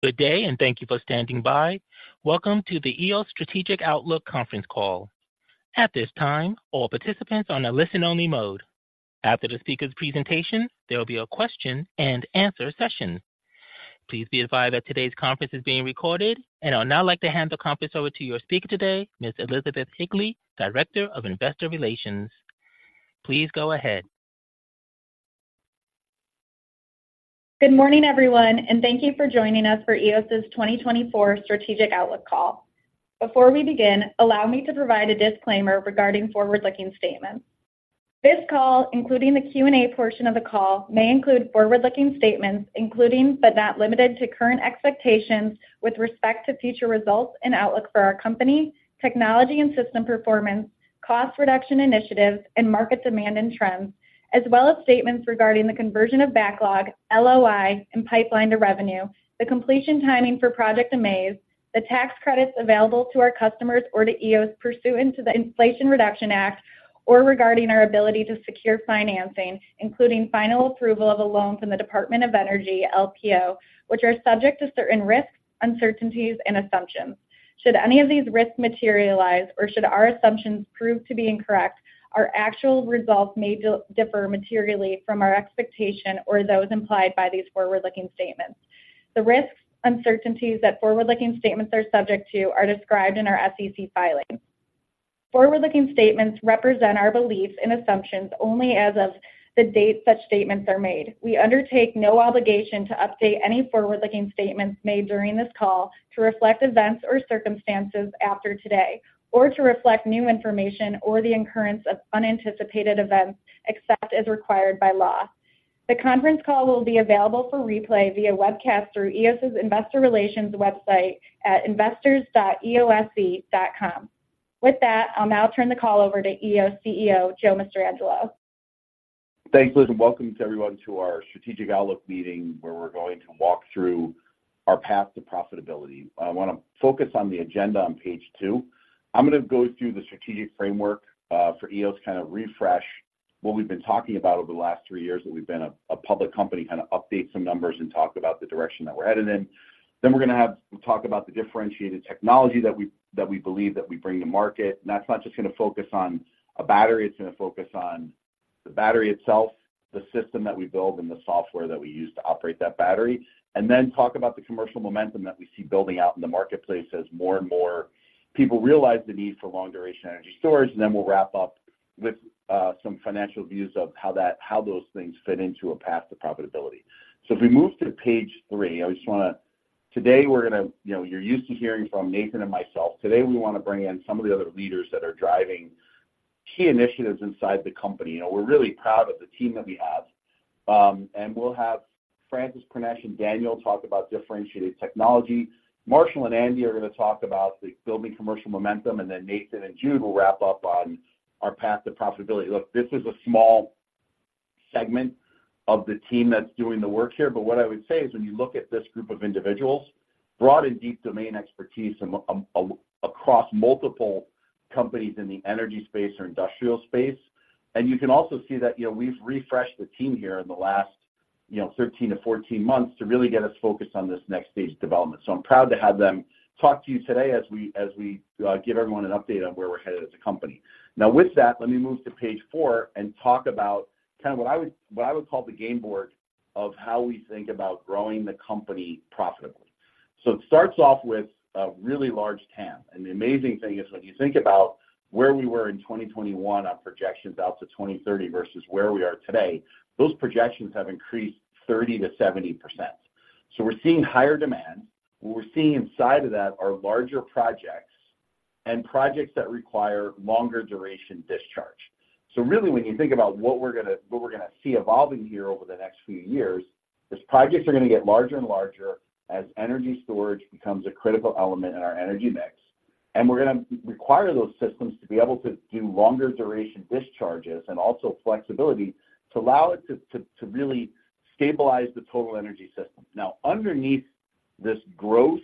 Good day, and thank you for standing by. Welcome to the Eos Strategic Outlook Conference Call. At this time, all participants are on a listen-only mode. After the speaker's presentation, there will be a question and answer session. Please be advised that today's conference is being recorded. I'd now like to hand the conference over to your speaker today, Ms. Elizabeth Higley, Director of Investor Relations. Please go ahead. Good morning, everyone, and thank you for joining us for Eos' 2024 Strategic Outlook Call. Before we begin, allow me to provide a disclaimer regarding forward-looking statements. This call, including the Q&A portion of the call, may include forward-looking statements, including, but not limited to, current expectations with respect to future results and outlook for our company, technology and system performance, cost reduction initiatives, and market demand and trends. As well as statements regarding the conversion of backlog, LOI, and pipeline to revenue, the completion timing for Project AMAZE, the tax credits available to our customers or to Eos pursuant to the Inflation Reduction Act, or regarding our ability to secure financing, including final approval of a loan from the Department of Energy, LPO, which are subject to certain risks, uncertainties, and assumptions. Should any of these risks materialize or should our assumptions prove to be incorrect, our actual results may differ materially from our expectation or those implied by these forward-looking statements. The risks, uncertainties that forward-looking statements are subject to, are described in our SEC filing. Forward-looking statements represent our beliefs and assumptions only as of the date such statements are made. We undertake no obligation to update any forward-looking statements made during this call to reflect events or circumstances after today, or to reflect new information or the incurrence of unanticipated events, except as required by law. The conference call will be available for replay via webcast through Eos' Investor Relations website at investors.eose.com. With that, I'll now turn the call over to Eos CEO, Joe Mastrangelo. Thanks, Liz, and welcome to everyone to our strategic outlook meeting, where we're going to walk through our path to profitability. I want to focus on the agenda on page two. I'm going to go through the strategic framework for Eos, kind of refresh what we've been talking about over the last three years that we've been a public company, kind of update some numbers and talk about the direction that we're headed in. Then we're going to talk about the differentiated technology that we believe that we bring to market. And that's not just going to focus on a battery, it's going to focus on the battery itself, the system that we build, and the software that we use to operate that battery. And then talk about the commercial momentum that we see building out in the marketplace as more and more people realize the need for long-duration energy storage. And then we'll wrap up with some financial views of how that, how those things fit into a path to profitability. So if we move to page three, I just want to. Today, we're going to, you know, you're used to hearing from Nathan and myself. Today, we want to bring in some of the other leaders that are driving key initiatives inside the company. You know, we're really proud of the team that we have. And we'll have Francis, Pranesh, and Daniel talk about differentiated technology. Marshall and Andy are going to talk about the building commercial momentum, and then Nathan and Jude will wrap up on our path to profitability. Look, this is a small segment of the team that's doing the work here, but what I would say is, when you look at this group of individuals, broad and deep domain expertise across multiple companies in the energy space or industrial space. You can also see that, you know, we've refreshed the team here in the last, you know, 13-14 months to really get us focused on this next stage of development. I'm proud to have them talk to you today as we give everyone an update on where we're headed as a company. Now, with that, let me move to page four and talk about kind of what I would call the game board of how we think about growing the company profitably. It starts off with a really large TAM. The amazing thing is, when you think about where we were in 2021 on projections out to 2030 versus where we are today, those projections have increased 30%-70%. So we're seeing higher demand. What we're seeing inside of that are larger projects and projects that require longer duration discharge. So really, when you think about what we're going to see evolving here over the next few years, is projects are going to get larger and larger as energy storage becomes a critical element in our energy mix. And we're going to require those systems to be able to do longer duration discharges, and also flexibility to allow it to really stabilize the total energy system. Now, underneath this growth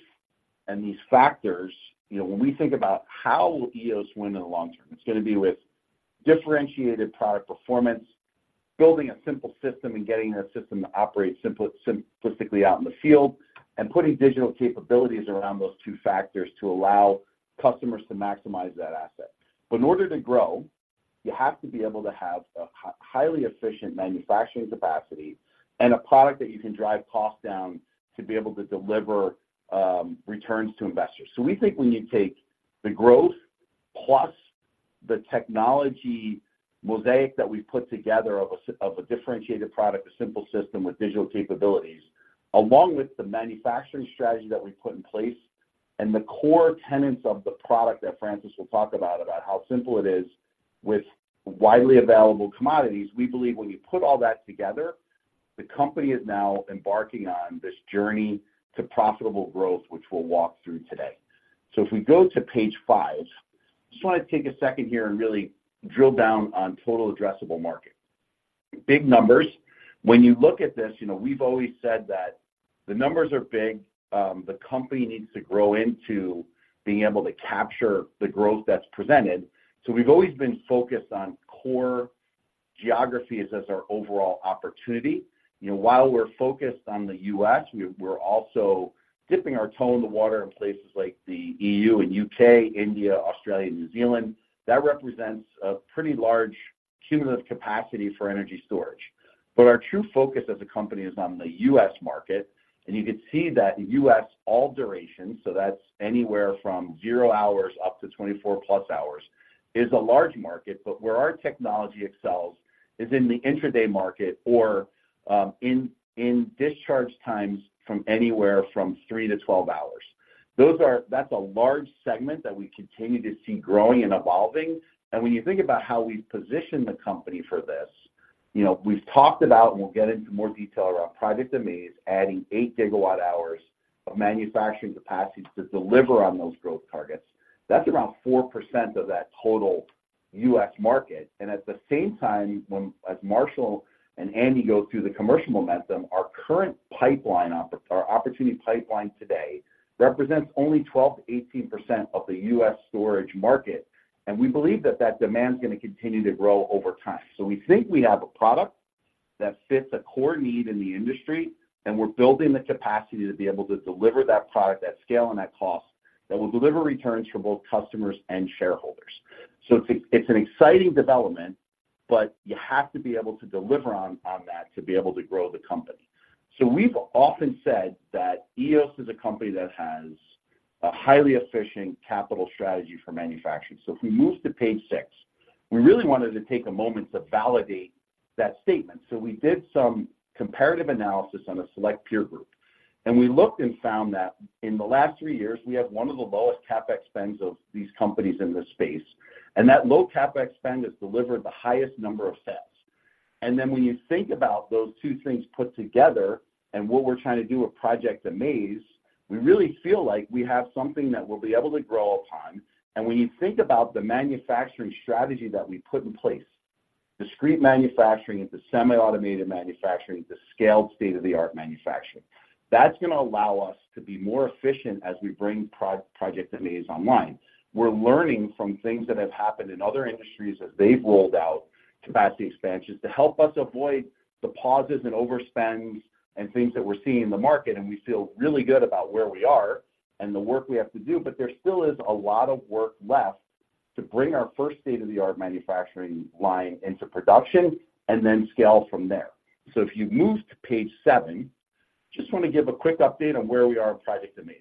and these factors, you know, when we think about how will Eos win in the long term, it's going to be with differentiated product performance, building a simple system and getting that system to operate simplistically out in the field, and putting digital capabilities around those two factors to allow customers to maximize that asset. But in order to grow, you have to be able to have a highly efficient manufacturing capacity and a product that you can drive costs down to be able to deliver returns to investors. So we think when you take the growth plus the technology mosaic that we've put together of a differentiated product, a simple system with digital capabilities, along with the manufacturing strategy that we put in place and the core tenets of the product that Francis will talk about, about how simple it is with widely available commodities. We believe when you put all that together, the company is now embarking on this journey to profitable growth, which we'll walk through today. So if we go to page five, I just want to take a second here and really drill down on total addressable market. Big numbers. When you look at this, you know, we've always said that the numbers are big, the company needs to grow into being able to capture the growth that's presented. So we've always been focused on core-... Geographies as our overall opportunity. You know, while we're focused on the U.S., we're also dipping our toe in the water in places like the E.U. and U.K., India, Australia, and New Zealand. That represents a pretty large cumulative capacity for energy storage. But our true focus as a company is on the U.S. market, and you can see that the U.S., all durations, so that's anywhere from zero hours up to 24+ hours, is a large market. But where our technology excels is in the intraday market or in discharge times from anywhere from three-12 hours. That's a large segment that we continue to see growing and evolving. When you think about how we've positioned the company for this, you know, we've talked about, and we'll get into more detail around Project AMAZE, adding 8 GWh of manufacturing capacity to deliver on those growth targets. That's around 4% of that total U.S. market. And at the same time, as Marshall and Andy go through the commercial momentum, our current opportunity pipeline today represents only 12%-18% of the U.S. storage market, and we believe that that demand is gonna continue to grow over time. So we think we have a product that fits a core need in the industry, and we're building the capacity to be able to deliver that product at scale and at cost, that will deliver returns for both customers and shareholders. It's an exciting development, but you have to be able to deliver on that to be able to grow the company. We've often said that Eos is a company that has a highly efficient capital strategy for manufacturing. If we move to page six, we really wanted to take a moment to validate that statement. We did some comparative analysis on a select peer group, and we looked and found that in the last three years, we have one of the lowest CapEx spends of these companies in this space, and that low CapEx spend has delivered the highest number of cells. And then when you think about those two things put together and what we're trying to do with Project AMAZE, we really feel like we have something that we'll be able to grow upon. And when you think about the manufacturing strategy that we put in place, discrete manufacturing into semi-automated manufacturing, into scaled state-of-the-art manufacturing, that's gonna allow us to be more efficient as we bring Project AMAZE online. We're learning from things that have happened in other industries as they've rolled out capacity expansions to help us avoid the pauses and overspends and things that we're seeing in the market, and we feel really good about where we are and the work we have to do. But there still is a lot of work left to bring our first state-of-the-art manufacturing line into production and then scale from there. So if you move to page seven, just wanna give a quick update on where we are in Project AMAZE.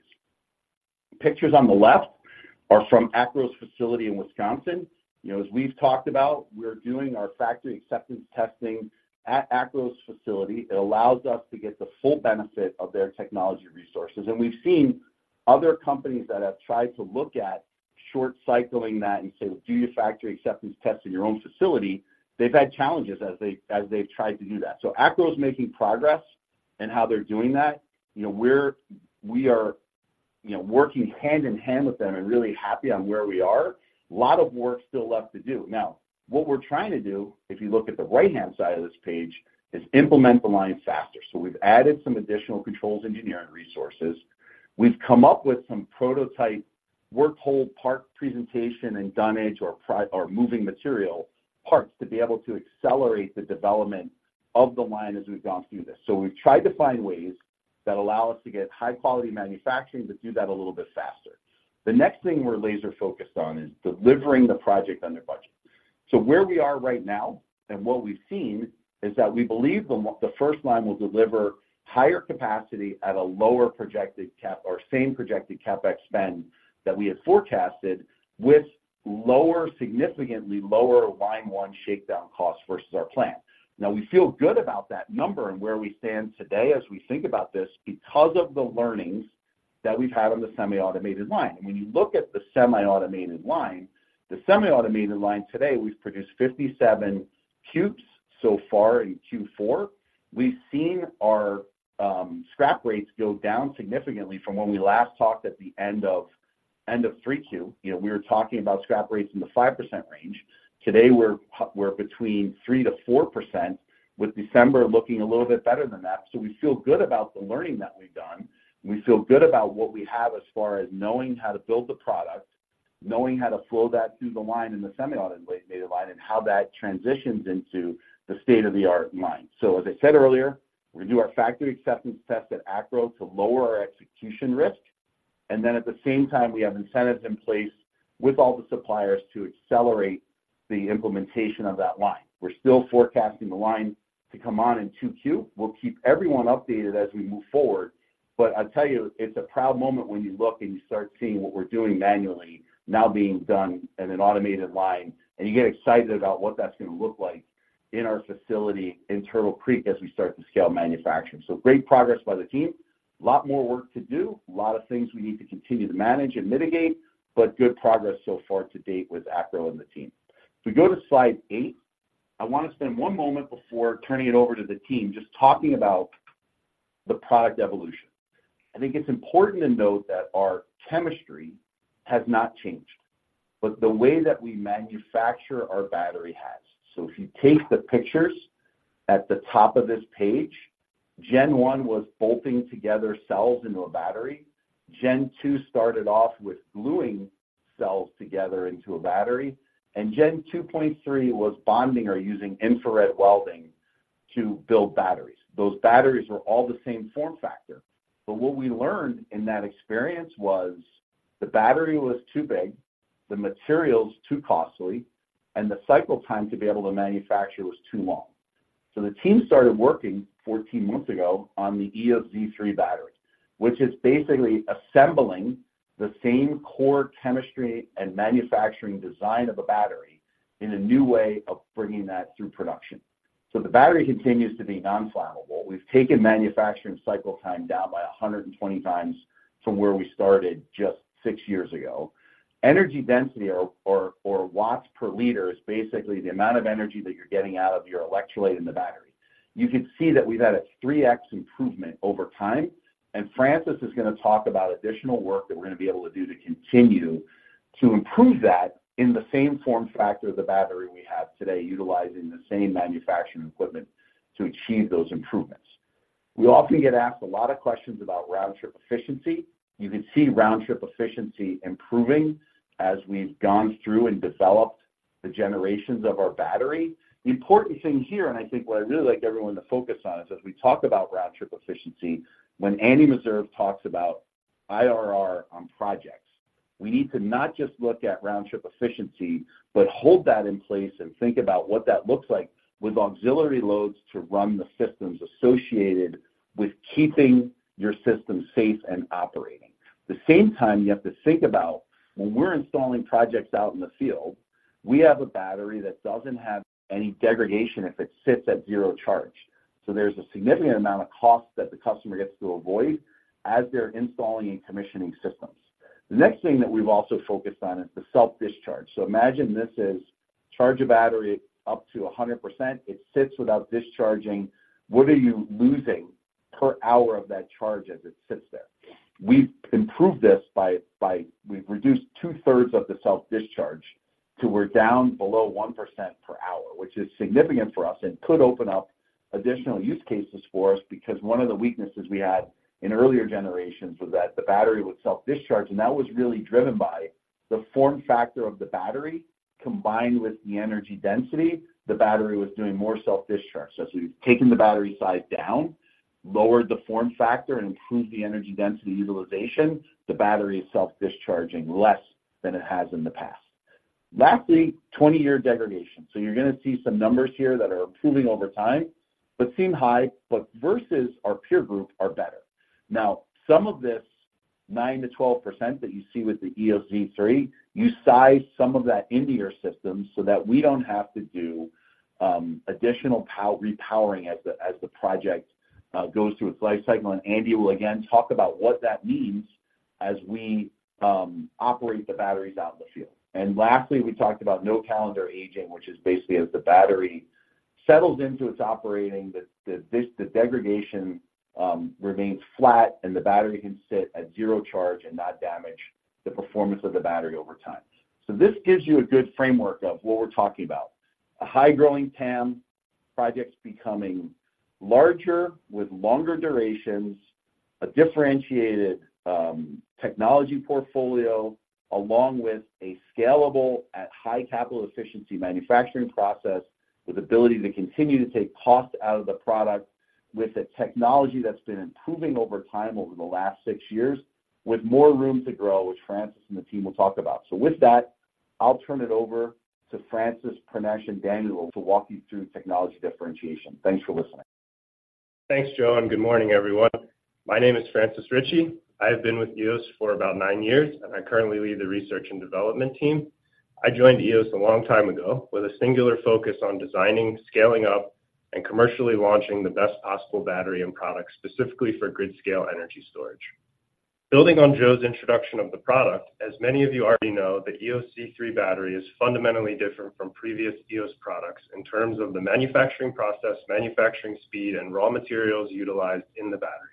Pictures on the left are from ACRO's facility in Wisconsin. You know, as we've talked about, we're doing our factory acceptance testing at ACRO's facility. It allows us to get the full benefit of their technology resources. And we've seen other companies that have tried to look at short cycling that and say, "Well, do your factory acceptance tests in your own facility." They've had challenges as they, as they've tried to do that. So ACRO is making progress in how they're doing that. You know, we are, you know, working hand-in-hand with them and really happy on where we are. A lot of work still left to do. Now, what we're trying to do, if you look at the right-hand side of this page, is implement the line faster. So we've added some additional controls, engineering resources. We've come up with some prototype workhold part presentation and dunnage or prior moving material parts to be able to accelerate the development of the line as we've gone through this. So we've tried to find ways that allow us to get high-quality manufacturing, but do that a little bit faster. The next thing we're laser-focused on is delivering the project under budget. So where we are right now and what we've seen is that we believe the first line will deliver higher capacity at a lower projected CapEx or same projected CapEx spend that we had forecasted, with lower, significantly lower line one shakedown costs versus our plan. Now, we feel good about that number and where we stand today as we think about this because of the learnings that we've had on the semi-automated line. When you look at the semi-automated line, the semi-automated line today, we've produced 57 cubes so far in Q4. We've seen our scrap rates go down significantly from when we last talked at the end of 3Q. You know, we were talking about scrap rates in the 5% range. Today, we're between 3%-4%, with December looking a little bit better than that. So we feel good about the learning that we've done. We feel good about what we have as far as knowing how to build the product, knowing how to flow that through the line in the semi-automated line, and how that transitions into the state-of-the-art line. So as I said earlier, we're gonna do our factory acceptance test at ACRO to lower our execution risk, and then at the same time, we have incentives in place with all the suppliers to accelerate the implementation of that line. We're still forecasting the line to come on in 2Q. We'll keep everyone updated as we move forward, but I'll tell you, it's a proud moment when you look and you start seeing what we're doing manually now being done in an automated line, and you get excited about what that's gonna look like in our facility in Turtle Creek as we start to scale manufacturing. So great progress by the team. A lot more work to do, a lot of things we need to continue to manage and mitigate, but good progress so far to date with ACRO and the team. If we go to slide eight, I wanna spend one moment before turning it over to the team, just talking about the product evolution. I think it's important to note that our chemistry has not changed, but the way that we manufacture our battery has. So if you take the pictures at the top of this page, Gen 1 was bolting together cells into a battery. Gen 2 started off with gluing cells together into a battery, and Gen 2.3 was bonding or using infrared welding to build batteries. Those batteries were all the same form factor, but what we learned in that experience was the battery was too big, the materials too costly, and the cycle time to be able to manufacture was too long. So the team started working 14 months ago on the Eos Z3 battery, which is basically assembling the same core chemistry and manufacturing design of a battery in a new way of bringing that through production. So the battery continues to be non-flammable. We've taken manufacturing cycle time down by 120x from where we started just six years ago. Energy density, or watts per liter, is basically the amount of energy that you're getting out of your electrolyte in the battery. You can see that we've had a 3x improvement over time, and Francis is gonna talk about additional work that we're gonna be able to do to continue to improve that in the same form factor of the battery we have today, utilizing the same manufacturing equipment to achieve those improvements. We often get asked a lot of questions about round-trip efficiency. You can see round-trip efficiency improving as we've gone through and developed the generations of our battery. The important thing here, and I think what I'd really like everyone to focus on, is as we talk about round-trip efficiency, when Andy Meserve talks about IRR on projects, we need to not just look at round-trip efficiency, but hold that in place and think about what that looks like with auxiliary loads to run the systems associated with keeping your system safe and operating. The same time, you have to think about when we're installing projects out in the field, we have a battery that doesn't have any degradation if it sits at zero charge. So there's a significant amount of cost that the customer gets to avoid as they're installing and commissioning systems. The next thing that we've also focused on is the self-discharge. So imagine this: charge a battery up to 100%, it sits without discharging. What are you losing per hour of that charge as it sits there? We've improved this by-- we've reduced two-thirds of the self-discharge, so we're down below 1% per hour, which is significant for us and could open up additional use cases for us. Because one of the weaknesses we had in earlier generations was that the battery would self-discharge, and that was really driven by the form factor of the battery. Combined with the energy density, the battery was doing more self-discharge. So as we've taken the battery size down, lowered the form factor, and improved the energy density utilization, the battery is self-discharging less than it has in the past. Lastly, 20-year degradation. So you're gonna see some numbers here that are improving over time, but seem high, but versus our peer group, are better. Now, some of this 9%-12% that you see with the Eos Z3, you size some of that into your system so that we don't have to do additional repowering as the project goes through its life cycle. And Andy will again talk about what that means as we operate the batteries out in the field. And lastly, we talked about no calendar aging, which is basically as the battery settles into its operating, the degradation remains flat, and the battery can sit at zero charge and not damage the performance of the battery over time. So this gives you a good framework of what we're talking about. A high-growing TAM, projects becoming larger with longer durations, a differentiated technology portfolio, along with a scalable at high capital efficiency manufacturing process, with ability to continue to take cost out of the product, with a technology that's been improving over time over the last six years, with more room to grow, which Francis and the team will talk about. So with that, I'll turn it over to Francis, Pranesh, and Daniel to walk you through technology differentiation. Thanks for listening. Thanks, Joe, and good morning, everyone. My name is Francis Richey. I've been with Eos for about nine years, and I currently lead the research and development team. I joined Eos a long time ago with a singular focus on designing, scaling up, and commercially launching the best possible battery and products, specifically for grid-scale energy storage. Building on Joe's introduction of the product, as many of you already know, the Eos Z3 battery is fundamentally different from previous Eos products in terms of the manufacturing process, manufacturing speed, and raw materials utilized in the battery.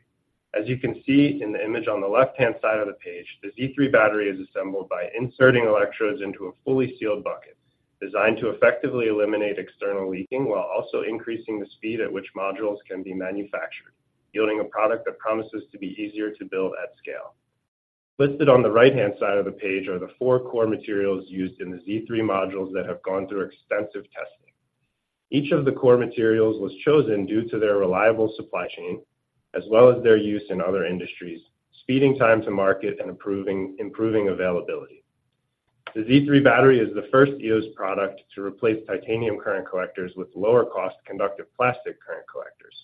As you can see in the image on the left-hand side of the page, the Z3 battery is assembled by inserting electrodes into a fully sealed bucket, designed to effectively eliminate external leaking while also increasing the speed at which modules can be manufactured, yielding a product that promises to be easier to build at scale. Listed on the right-hand side of the page are the four core materials used in the Z3 modules that have gone through extensive testing. Each of the core materials was chosen due to their reliable supply chain, as well as their use in other industries, speeding time to market and improving availability. The Z3 battery is the first Eos product to replace titanium current collectors with lower-cost conductive plastic current collectors,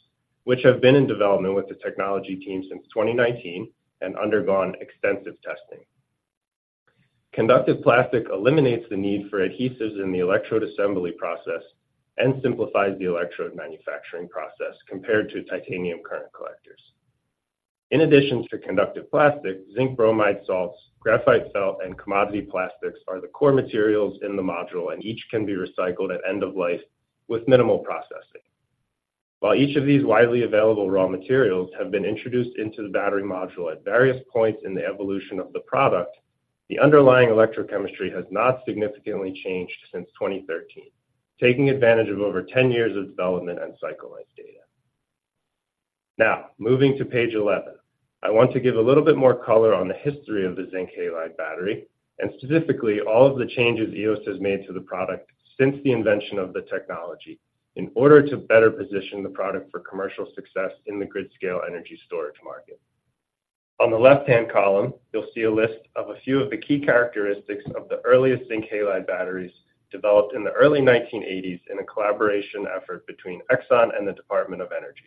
which have been in development with the technology team since 2019 and undergone extensive testing. Conductive plastic eliminates the need for adhesives in the electrode assembly process and simplifies the electrode manufacturing process compared to titanium current collectors. In addition to conductive plastic, zinc bromide salts, graphite felt, and commodity plastics are the core materials in the module, and each can be recycled at end of life with minimal processing. While each of these widely available raw materials have been introduced into the battery module at various points in the evolution of the product. The underlying electrochemistry has not significantly changed since 2013, taking advantage of over 10 years of development and cycle life data. Now, moving to page 11, I want to give a little bit more color on the history of the zinc-halide battery, and specifically, all of the changes Eos has made to the product since the invention of the technology, in order to better position the product for commercial success in the grid-scale energy storage market. On the left-hand column, you'll see a list of a few of the key characteristics of the earliest zinc-halide batteries developed in the early 1980s in a collaboration effort between Exxon and the Department of Energy.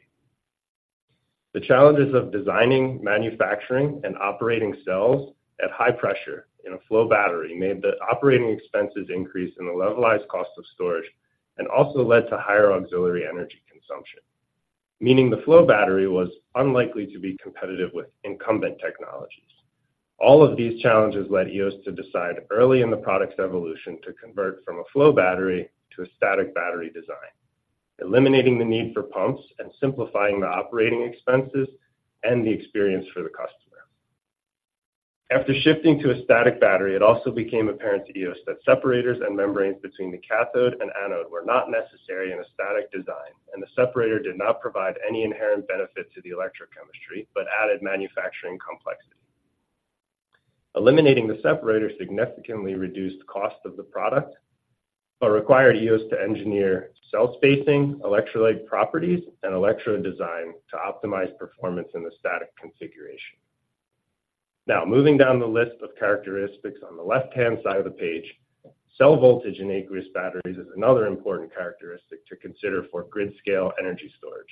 The challenges of designing, manufacturing, and operating cells at high pressure in a flow battery made the operating expenses increase in the levelized cost of storage, and also led to higher auxiliary energy consumption, meaning the flow battery was unlikely to be competitive with incumbent technologies. All of these challenges led Eos to decide early in the product's evolution, to convert from a flow battery to a static battery design, eliminating the need for pumps and simplifying the operating expenses and the experience for the customer. After shifting to a static battery, it also became apparent to Eos that separators and membranes between the cathode and anode were not necessary in a static design, and the separator did not provide any inherent benefit to the electrochemistry, but added manufacturing complexity. Eliminating the separator significantly reduced cost of the product, but required Eos to engineer cell spacing, electrolyte properties, and electrode design to optimize performance in the static configuration. Now, moving down the list of characteristics on the left-hand side of the page, cell voltage in aqueous batteries is another important characteristic to consider for grid-scale energy storage.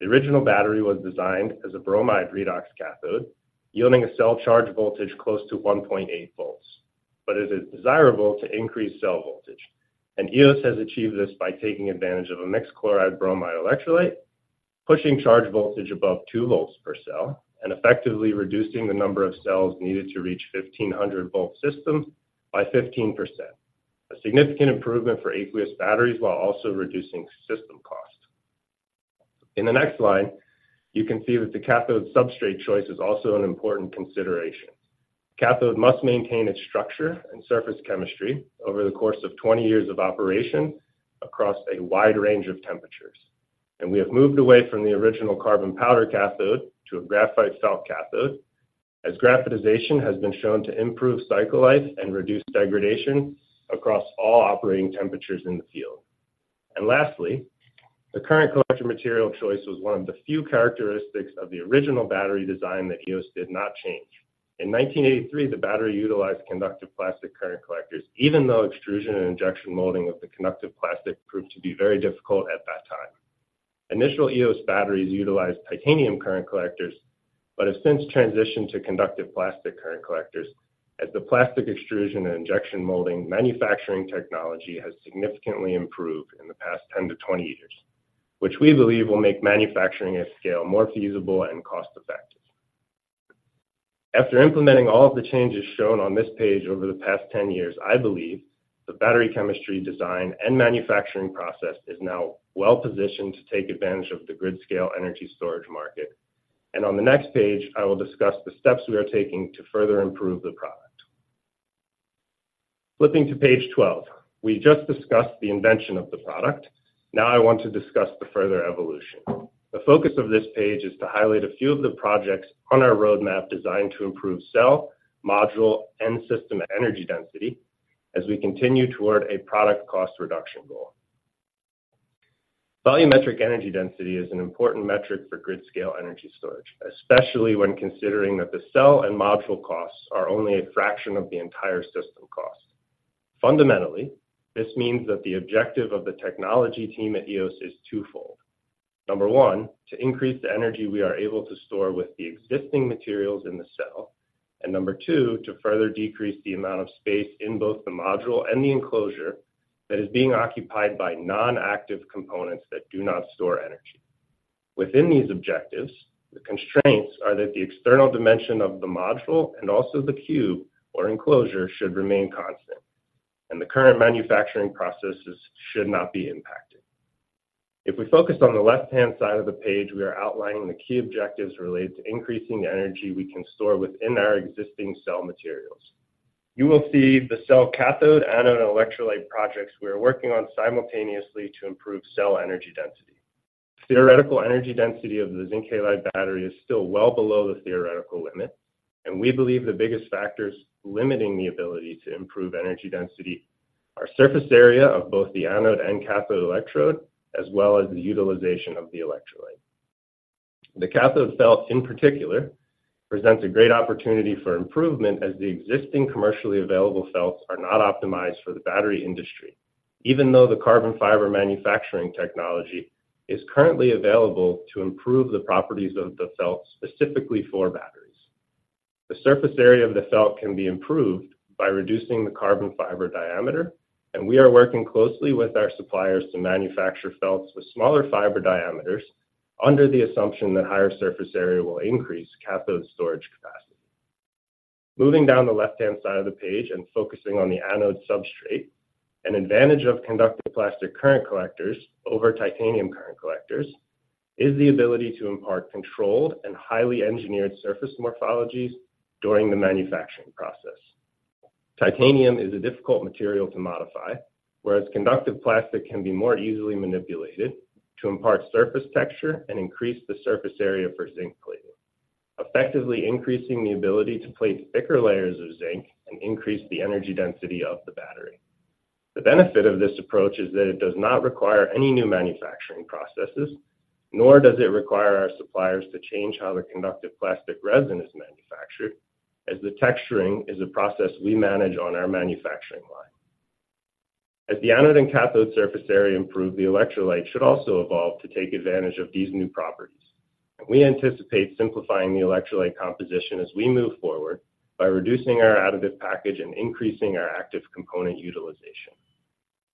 The original battery was designed as a bromide redox cathode, yielding a cell charge voltage close to 1.8 V. But it is desirable to increase cell voltage, and Eos has achieved this by taking advantage of a mixed chloride bromide electrolyte, pushing charge voltage above 2 V per cell, and effectively reducing the number of cells needed to reach 1,500-volt systems by 15%. A significant improvement for aqueous batteries, while also reducing system cost. In the next line, you can see that the cathode substrate choice is also an important consideration. Cathode must maintain its structure and surface chemistry over the course of 20 years of operation across a wide range of temperatures. We have moved away from the original carbon powder cathode to a graphite felt cathode, as graphitization has been shown to improve cycle life and reduce degradation across all operating temperatures in the field. Lastly, the current collection material choice was one of the few characteristics of the original battery design that Eos did not change. In 1983, the battery utilized conductive plastic current collectors, even though extrusion and injection molding of the conductive plastic proved to be very difficult at that time. Initial Eos batteries utilized titanium current collectors, but have since transitioned to conductive plastic current collectors, as the plastic extrusion and injection molding manufacturing technology has significantly improved in the past 10-20 years, which we believe will make manufacturing at scale more feasible and cost-effective. After implementing all of the changes shown on this page over the past 10 years, I believe the battery chemistry design and manufacturing process is now well-positioned to take advantage of the grid-scale energy storage market. On the next page, I will discuss the steps we are taking to further improve the product. Flipping to page 12. We just discussed the invention of the product. Now, I want to discuss the further evolution. The focus of this page is to highlight a few of the projects on our roadmap designed to improve cell, module, and system energy density as we continue toward a product cost reduction goal. Volumetric energy density is an important metric for grid-scale energy storage, especially when considering that the cell and module costs are only a fraction of the entire system cost. Fundamentally, this means that the objective of the technology team at Eos is twofold: One, to increase the energy we are able to store with the existing materials in the cell. Two, to further decrease the amount of space in both the module and the enclosure that is being occupied by non-active components that do not store energy. Within these objectives, the constraints are that the external dimension of the module and also the cube or enclosure should remain constant, and the current manufacturing processes should not be impacted. If we focus on the left-hand side of the page, we are outlining the key objectives related to increasing the energy we can store within our existing cell materials. You will see the cell, cathode, and electrolyte projects we are working on simultaneously to improve cell energy density. Theoretical energy density of the zinc-halide battery is still well below the theoretical limit, and we believe the biggest factors limiting the ability to improve energy density are surface area of both the anode and cathode electrode, as well as the utilization of the electrolyte. The cathode felt, in particular, presents a great opportunity for improvement as the existing commercially available felts are not optimized for the battery industry, even though the carbon fiber manufacturing technology is currently available to improve the properties of the felt, specifically for batteries. The surface area of the felt can be improved by reducing the carbon fiber diameter, and we are working closely with our suppliers to manufacture felts with smaller fiber diameters under the assumption that higher surface area will increase cathode storage capacity. Moving down the left-hand side of the page and focusing on the anode substrate, an advantage of conductive plastic current collectors over titanium current collectors is the ability to impart controlled and highly engineered surface morphologies during the manufacturing process. Titanium is a difficult material to modify, whereas conductive plastic can be more easily manipulated to impart surface texture and increase the surface area for zinc plating, effectively increasing the ability to plate thicker layers of zinc and increase the energy density of the battery. The benefit of this approach is that it does not require any new manufacturing processes, nor does it require our suppliers to change how the conductive plastic resin is manufactured, as the texturing is a process we manage on our manufacturing line. As the anode and cathode surface area improve, the electrolyte should also evolve to take advantage of these new properties. We anticipate simplifying the electrolyte composition as we move forward, by reducing our additive package and increasing our active component utilization.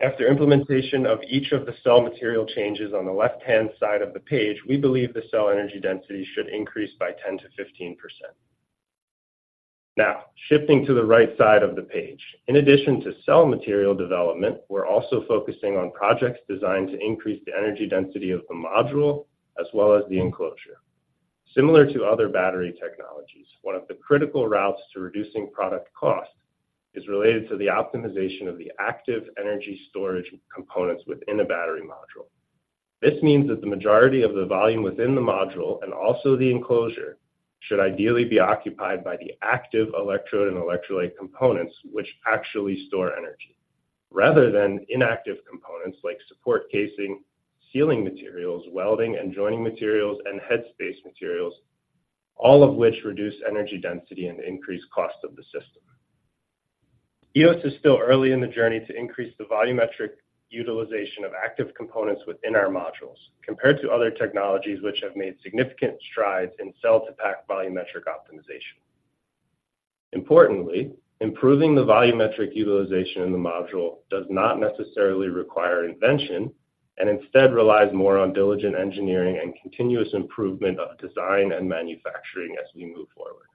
After implementation of each of the cell material changes on the left-hand side of the page, we believe the cell energy density should increase by 10%-15%. Now, shifting to the right side of the page. In addition to cell material development, we're also focusing on projects designed to increase the energy density of the module, as well as the enclosure. Similar to other battery technologies, one of the critical routes to reducing product cost is related to the optimization of the active energy storage components within a battery module. This means that the majority of the volume within the module, and also the enclosure, should ideally be occupied by the active electrode and electrolyte components, which actually store energy, rather than inactive components like support casing, sealing materials, welding and joining materials, and headspace materials, all of which reduce energy density and increase cost of the system. Eos is still early in the journey to increase the volumetric utilization of active components within our modules, compared to other technologies which have made significant strides in cell-to-pack volumetric optimization. Importantly, improving the volumetric utilization in the module does not necessarily require invention, and instead relies more on diligent engineering and continuous improvement of design and manufacturing as we move forward.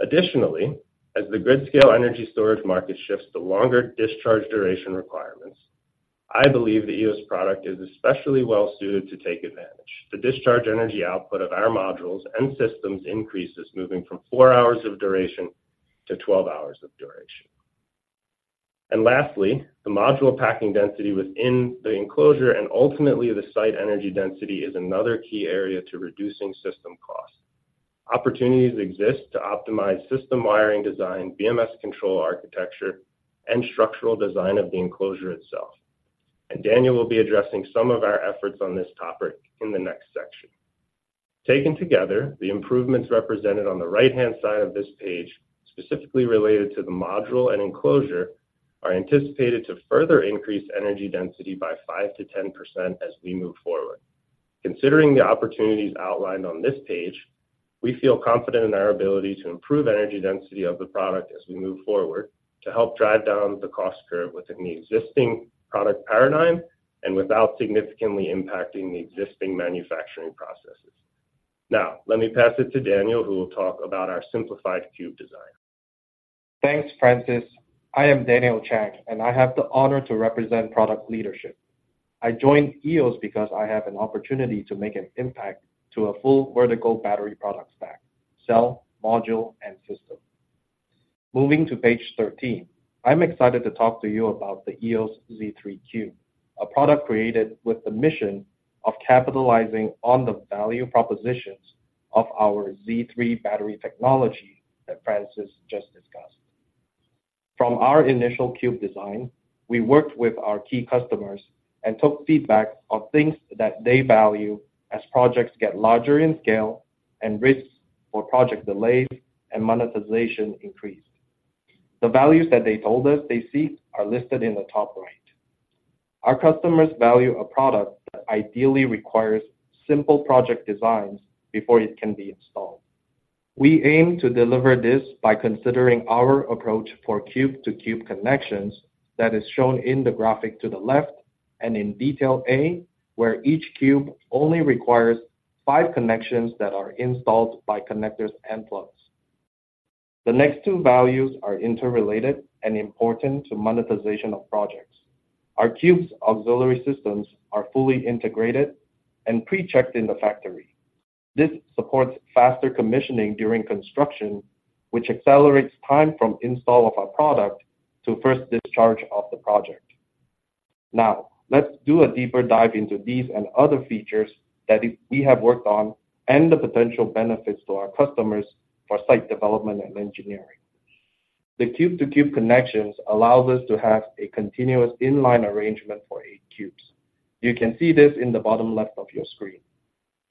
Additionally, as the grid scale energy storage market shifts to longer discharge duration requirements, I believe the Eos product is especially well-suited to take advantage. The discharge energy output of our modules and systems increases, moving from four hours of duration to 12 hours of duration. Lastly, the module packing density within the enclosure and ultimately the site energy density is another key area to reducing system costs. Opportunities exist to optimize system wiring design, BMS control architecture, and structural design of the enclosure itself. Daniel will be addressing some of our efforts on this topic in the next section. Taken together, the improvements represented on the right-hand side of this page, specifically related to the module and enclosure, are anticipated to further increase energy density by 5%-10% as we move forward. Considering the opportunities outlined on this page, we feel confident in our ability to improve energy density of the product as we move forward, to help drive down the cost curve within the existing product paradigm, and without significantly impacting the existing manufacturing processes. Now, let me pass it to Daniel, who will talk about our simplified cube design. Thanks, Francis. I am Daniel Chang, and I have the honor to represent product leadership. I joined Eos because I have an opportunity to make an impact to a full vertical battery product stack: cell, module, and system. Moving to page 13, I'm excited to talk to you about the Eos Z3 Cube, a product created with the mission of capitalizing on the value propositions of our Z3 battery technology that Francis just discussed. From our initial cube design, we worked with our key customers and took feedback on things that they value as projects get larger in scale and risks for project delays and monetization increased. The values that they told us they seek are listed in the top right. Our customers value a product that ideally requires simple project designs before it can be installed. We aim to deliver this by considering our approach for cube-to-cube connections that is shown in the graphic to the left, and in detail A, where each cube only requires five connections that are installed by connectors and plugs. The next two values are interrelated and important to monetization of projects. Our cubes' auxiliary systems are fully integrated and pre-checked in the factory. This supports faster commissioning during construction, which accelerates time from install of our product to first discharge of the project. Now, let's do a deeper dive into these and other features that we have worked on, and the potential benefits to our customers for site development and engineering. The cube-to-cube connections allows us to have a continuous in-line arrangement for eight cubes. You can see this in the bottom left of your screen.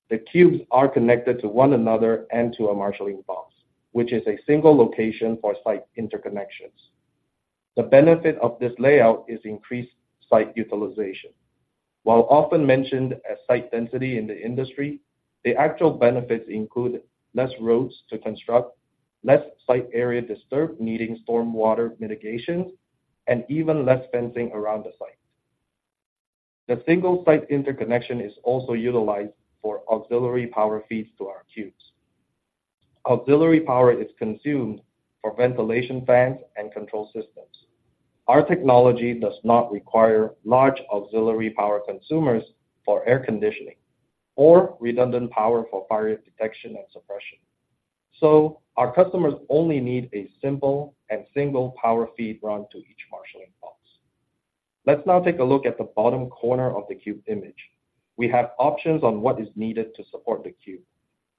The cubes are connected to one another and to a marshaling box, which is a single location for site interconnections. The benefit of this layout is increased site utilization. While often mentioned as site density in the industry, the actual benefits include less roads to construct, less site area disturbed, needing stormwater mitigations, and even less fencing around the site. The single site interconnection is also utilized for auxiliary power feeds to our cubes. Auxiliary power is consumed for ventilation fans and control systems. Our technology does not require large auxiliary power consumers for air conditioning or redundant power for fire detection and suppression. So our customers only need a simple and single power feed run to each marshaling box. Let's now take a look at the bottom corner of the cube image. We have options on what is needed to support the cube.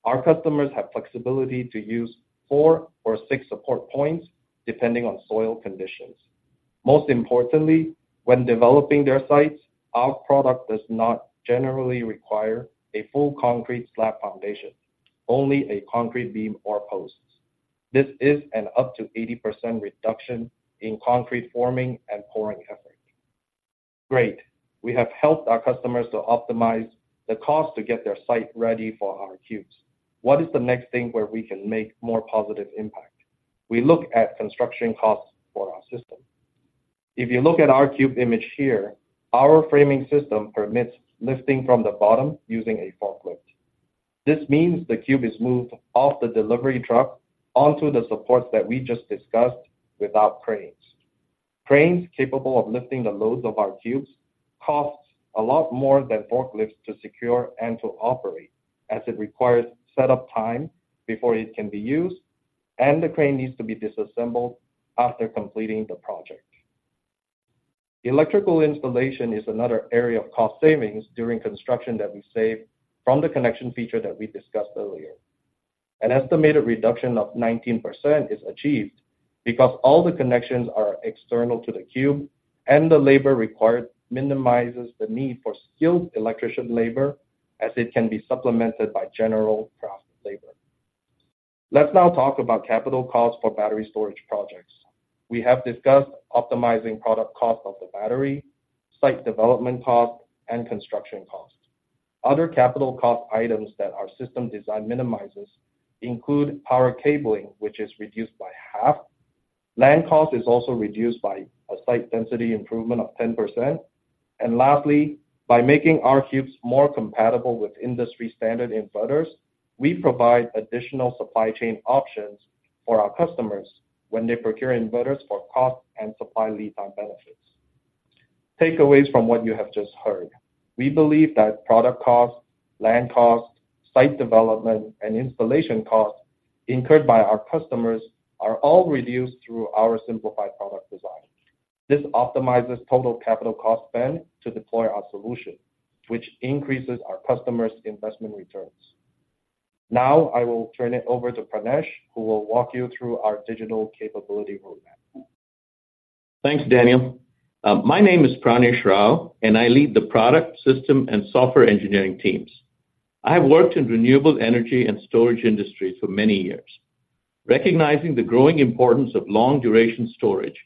Our customers have flexibility to use 4 or 6 support points, depending on soil conditions. Most importantly, when developing their sites, our product does not generally require a full concrete slab foundation, only a concrete beam or posts. This is an up to 80% reduction in concrete forming and pouring effort. Great, we have helped our customers to optimize the cost to get their site ready for our cubes. What is the next thing where we can make more positive impact? We look at construction costs for our system. If you look at our cube image here, our framing system permits lifting from the bottom using a forklift. This means the cube is moved off the delivery truck onto the supports that we just discussed without cranes. Cranes capable of lifting the loads of our cubes costs a lot more than forklifts to secure and to operate, as it requires setup time before it can be used, and the crane needs to be disassembled after completing the project. Electrical installation is another area of cost savings during construction that we save from the connection feature that we discussed earlier. An estimated reduction of 19% is achieved because all the connections are external to the cube, and the labor required minimizes the need for skilled electrician labor, as it can be supplemented by general craft labor. Let's now talk about capital costs for battery storage projects. We have discussed optimizing product cost of the battery, site development cost, and construction cost. Other capital cost items that our system design minimizes include power cabling, which is reduced by half. Land cost is also reduced by a site density improvement of 10%. Lastly, by making our cubes more compatible with industry-standard inverters, we provide additional supply chain options for our customers when they procure inverters for cost and supply lead time benefits. Takeaways from what you have just heard. We believe that product cost, land cost, site development, and installation costs incurred by our customers are all reduced through our simplified product design. This optimizes total capital cost spend to deploy our solution, which increases our customers' investment returns. Now, I will turn it over to Pranesh, who will walk you through our digital capability roadmap. Thanks, Daniel. My name is Pranesh Rao, and I lead the product, system, and software engineering teams. I have worked in renewable energy and storage industries for many years. Recognizing the growing importance of long-duration storage,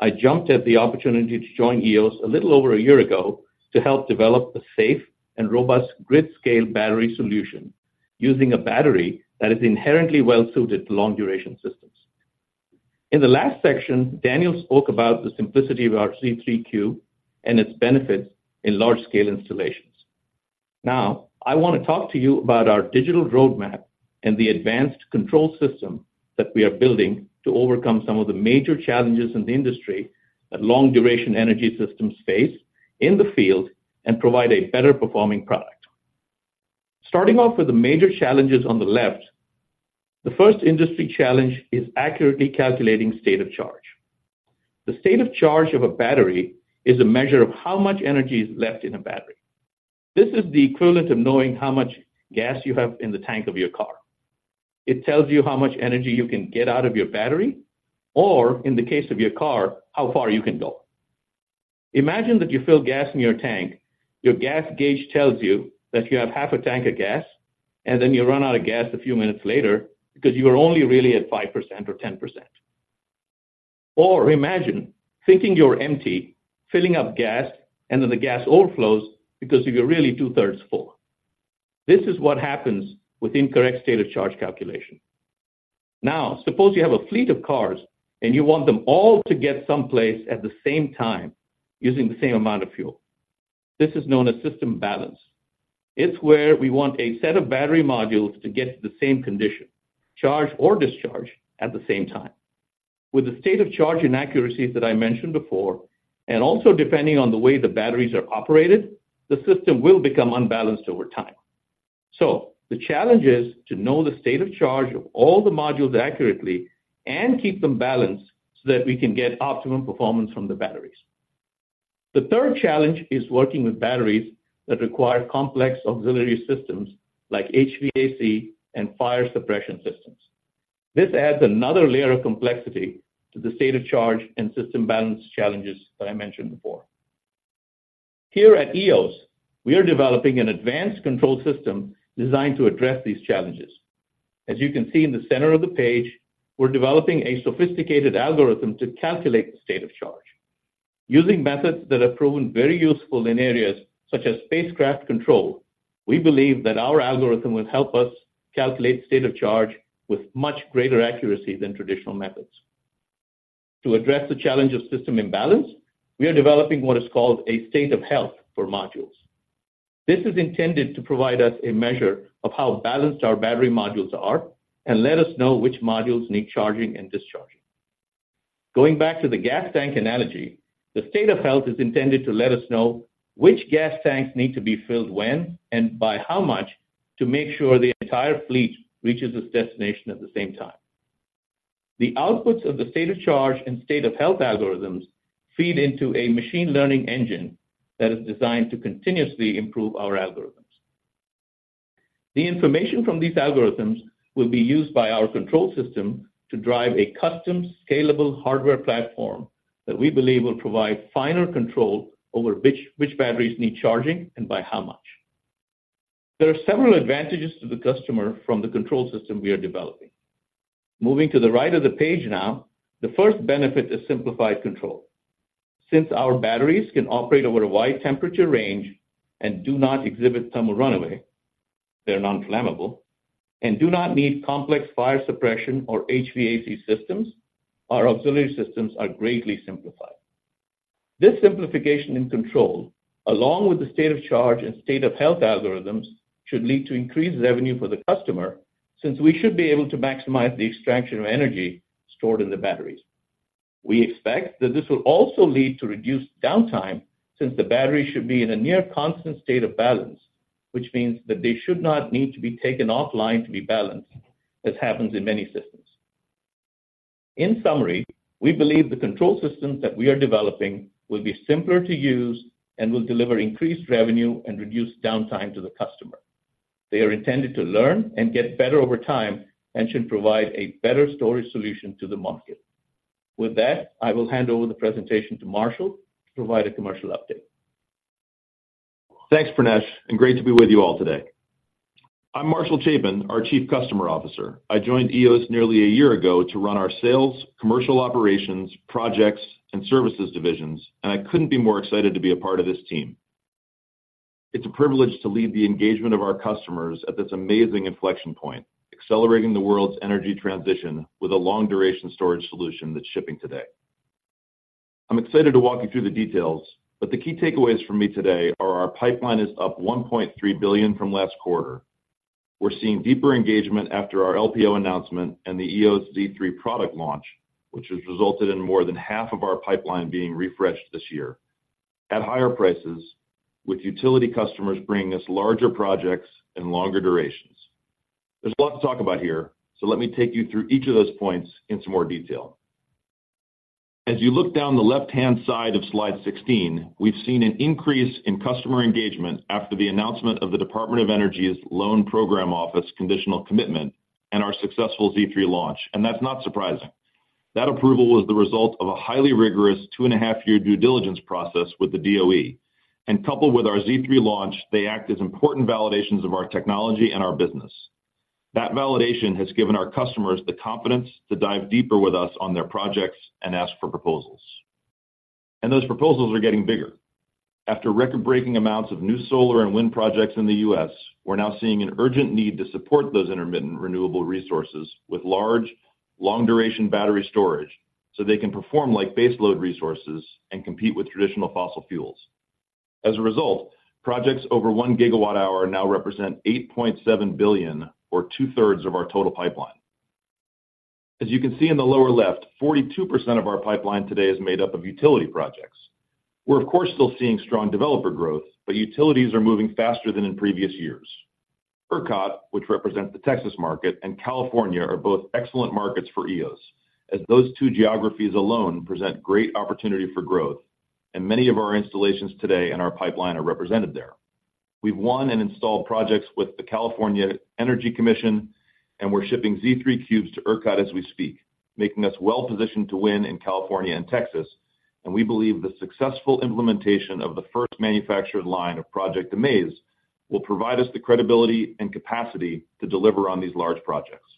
I jumped at the opportunity to join Eos a little over a year ago to help develop a safe and robust grid-scale battery solution, using a battery that is inherently well-suited to long-duration systems. In the last section, Daniel spoke about the simplicity of our Z3 Cube and its benefits in large-scale installations. Now, I want to talk to you about our digital roadmap and the advanced control system that we are building to overcome some of the major challenges in the industry that long-duration energy systems face in the field and provide a better performing product. Starting off with the major challenges on the left, the first industry challenge is accurately calculating state of charge. The state of charge of a battery is a measure of how much energy is left in a battery. This is the equivalent of knowing how much gas you have in the tank of your car. It tells you how much energy you can get out of your battery, or in the case of your car, how far you can go. Imagine that you fill gas in your tank, your gas gauge tells you that you have half a tank of gas, and then you run out of gas a few minutes later because you are only really at 5% or 10%. Or imagine thinking you're empty, filling up gas, and then the gas overflows because you're really two-thirds full. This is what happens with incorrect state of charge calculation. Now, suppose you have a fleet of cars, and you want them all to get someplace at the same time, using the same amount of fuel. This is known as system balance. It's where we want a set of battery modules to get to the same condition, charge or discharge, at the same time. With the state of charge inaccuracies that I mentioned before, and also depending on the way the batteries are operated, the system will become unbalanced over time. So the challenge is to know the state of charge of all the modules accurately and keep them balanced, so that we can get optimum performance from the batteries. The third challenge is working with batteries that require complex auxiliary systems like HVAC and fire suppression systems. This adds another layer of complexity to the state of charge and system balance challenges that I mentioned before. Here at Eos, we are developing an advanced control system designed to address these challenges. As you can see in the center of the page, we're developing a sophisticated algorithm to calculate the state of charge. Using methods that are proven very useful in areas such as spacecraft control, we believe that our algorithm will help us calculate state of charge with much greater accuracy than traditional methods.... To address the challenge of system imbalance, we are developing what is called a state of health for modules. This is intended to provide us a measure of how balanced our battery modules are and let us know which modules need charging and discharging. Going back to the gas tank analogy, the state of health is intended to let us know which gas tanks need to be filled when, and by how much, to make sure the entire fleet reaches its destination at the same time. The outputs of the state of charge and state of health algorithms feed into a machine learning engine that is designed to continuously improve our algorithms. The information from these algorithms will be used by our control system to drive a custom, scalable hardware platform that we believe will provide finer control over which batteries need charging and by how much. There are several advantages to the customer from the control system we are developing. Moving to the right of the page now, the first benefit is simplified control. Since our batteries can operate over a wide temperature range and do not exhibit thermal runaway, they are non-flammable, and do not need complex fire suppression or HVAC systems, our auxiliary systems are greatly simplified. This simplification in control, along with the State of Charge and State of Health algorithms, should lead to increased revenue for the customer, since we should be able to maximize the extraction of energy stored in the batteries. We expect that this will also lead to reduced downtime, since the battery should be in a near constant state of balance, which means that they should not need to be taken offline to be balanced, as happens in many systems. In summary, we believe the control systems that we are developing will be simpler to use and will deliver increased revenue and reduced downtime to the customer. They are intended to learn and get better over time and should provide a better storage solution to the market. With that, I will hand over the presentation to Marshall to provide a commercial update. Thanks, Pranesh, and great to be with you all today. I'm Marshall Chapin, our Chief Customer Officer. I joined Eos nearly a year ago to run our sales, commercial operations, projects, and services divisions, and I couldn't be more excited to be a part of this team. It's a privilege to lead the engagement of our customers at this amazing inflection point, accelerating the world's energy transition with a long-duration storage solution that's shipping today. I'm excited to walk you through the details, but the key takeaways from me today are our pipeline is up $1.3 billion from last quarter. We're seeing deeper engagement after our LPO announcement and the Eos Z3 product launch, which has resulted in more than half of our pipeline being refreshed this year at higher prices, with utility customers bringing us larger projects and longer durations. There's a lot to talk about here, so let me take you through each of those points in some more detail. As you look down the left-hand side of slide 16, we've seen an increase in customer engagement after the announcement of the Department of Energy's Loan Program Office conditional commitment and our successful Z3 launch. That's not surprising. That approval was the result of a highly rigorous two and half-year due diligence process with the DOE, and coupled with our Z3 launch, they act as important validations of our technology and our business. That validation has given our customers the confidence to dive deeper with us on their projects and ask for proposals. Those proposals are getting bigger. After record-breaking amounts of new solar and wind projects in the U.S., we're now seeing an urgent need to support those intermittent renewable resources with large, long-duration battery storage, so they can perform like baseload resources and compete with traditional fossil fuels. As a result, projects over 1 GWh now represent $8.7 billion, or 2/3 of our total pipeline. As you can see in the lower left, 42% of our pipeline today is made up of utility projects. We're of course, still seeing strong developer growth, but utilities are moving faster than in previous years. ERCOT, which represents the Texas market, and California are both excellent markets for Eos, as those two geographies alone present great opportunity for growth, and many of our installations today in our pipeline are represented there. We've won and installed projects with the California Energy Commission, and we're shipping Z3 cubes to ERCOT as we speak, making us well-positioned to win in California and Texas. We believe the successful implementation of the first manufactured line of Project AMAZE will provide us the credibility and capacity to deliver on these large projects.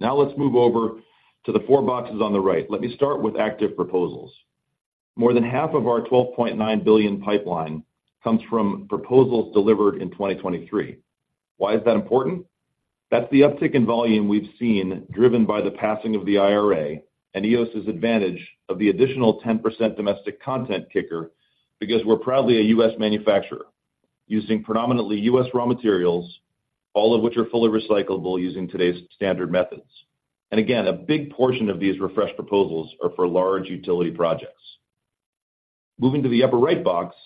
Now, let's move over to the four boxes on the right. Let me start with active proposals. More than half of our $12.9 billion pipeline comes from proposals delivered in 2023. Why is that important? That's the uptick in volume we've seen, driven by the passing of the IRA and Eos's advantage of the additional 10% domestic content kicker, because we're proudly a U.S. manufacturer, using predominantly U.S. raw materials, all of which are fully recyclable using today's standard methods. And again, a big portion of these refreshed proposals are for large utility projects. Moving to the upper right box,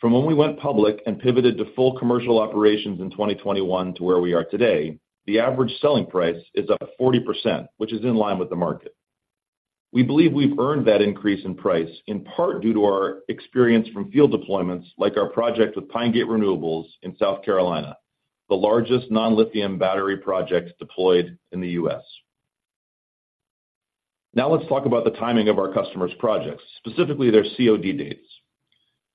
from when we went public and pivoted to full commercial operations in 2021 to where we are today, the average selling price is up 40%, which is in line with the market. We believe we've earned that increase in price, in part due to our experience from field deployments like our project with Pine Gate Renewables in South Carolina, the largest non-lithium battery project deployed in the U.S. Now, let's talk about the timing of our customers' projects, specifically their COD dates.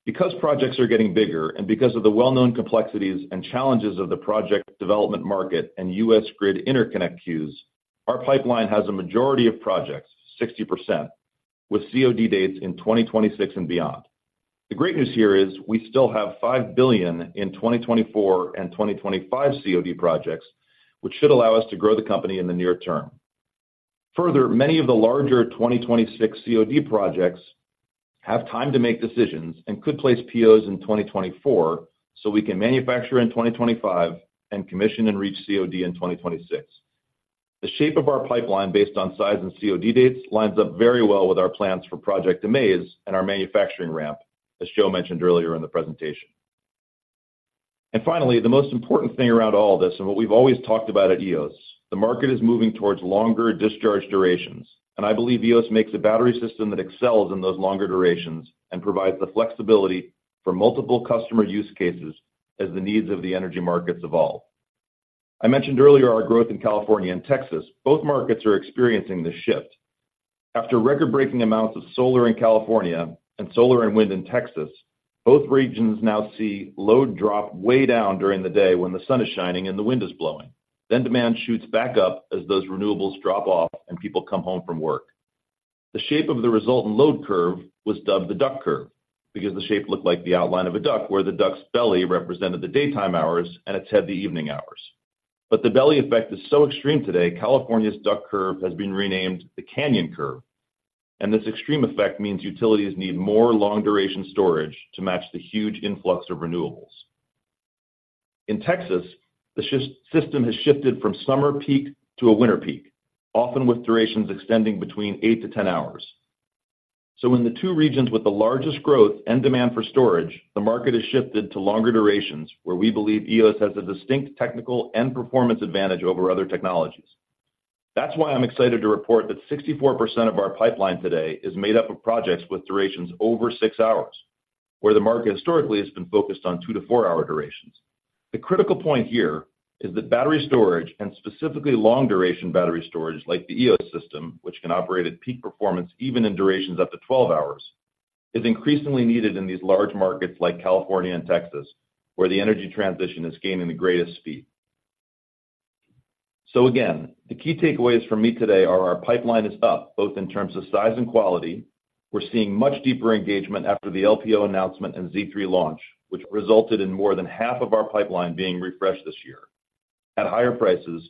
Because projects are getting bigger and because of the well-known complexities and challenges of the project development market and U.S. grid interconnect queues, our pipeline has a majority of projects, 60%, with COD dates in 2026 and beyond. The great news here is we still have $5 billion in 2024 and 2025 COD projects, which should allow us to grow the company in the near term. Further, many of the larger 2026 COD projects have time to make decisions and could place POs in 2024, so we can manufacture in 2025 and commission and reach COD in 2026. The shape of our pipeline based on size and COD dates lines up very well with our plans for Project AMAZE and our manufacturing ramp, as Joe mentioned earlier in the presentation. Finally, the most important thing around all this, and what we've always talked about at Eos, the market is moving towards longer discharge durations. I believe Eos makes a battery system that excels in those longer durations and provides the flexibility for multiple customer use cases as the needs of the energy markets evolve. I mentioned earlier our growth in California and Texas. Both markets are experiencing this shift. After record-breaking amounts of solar in California and solar and wind in Texas, both regions now see load drop way down during the day when the sun is shining and the wind is blowing. Then demand shoots back up as those renewables drop off and people come home from work. The shape of the resultant load curve was dubbed the Duck Curve, because the shape looked like the outline of a duck, where the duck's belly represented the daytime hours and its head, the evening hours. But the belly effect is so extreme today, California's duck curve has been renamed the canyon curve, and this extreme effect means utilities need more long-duration storage to match the huge influx of renewables. In Texas, the ERCOT system has shifted from summer peak to a winter peak, often with durations extending between eight-10 hours. So in the two regions with the largest growth and demand for storage, the market has shifted to longer durations, where we believe Eos has a distinct technical and performance advantage over other technologies. That's why I'm excited to report that 64% of our pipeline today is made up of projects with durations over six hours, where the market historically has been focused on two-four hour durations. The critical point here is that battery storage, and specifically long-duration battery storage like the Eos system, which can operate at peak performance even in durations up to 12 hours, is increasingly needed in these large markets like California and Texas, where the energy transition is gaining the greatest speed. So again, the key takeaways from me today are: our pipeline is up, both in terms of size and quality. We're seeing much deeper engagement after the LPO announcement and Z3 launch, which resulted in more than half of our pipeline being refreshed this year at higher prices,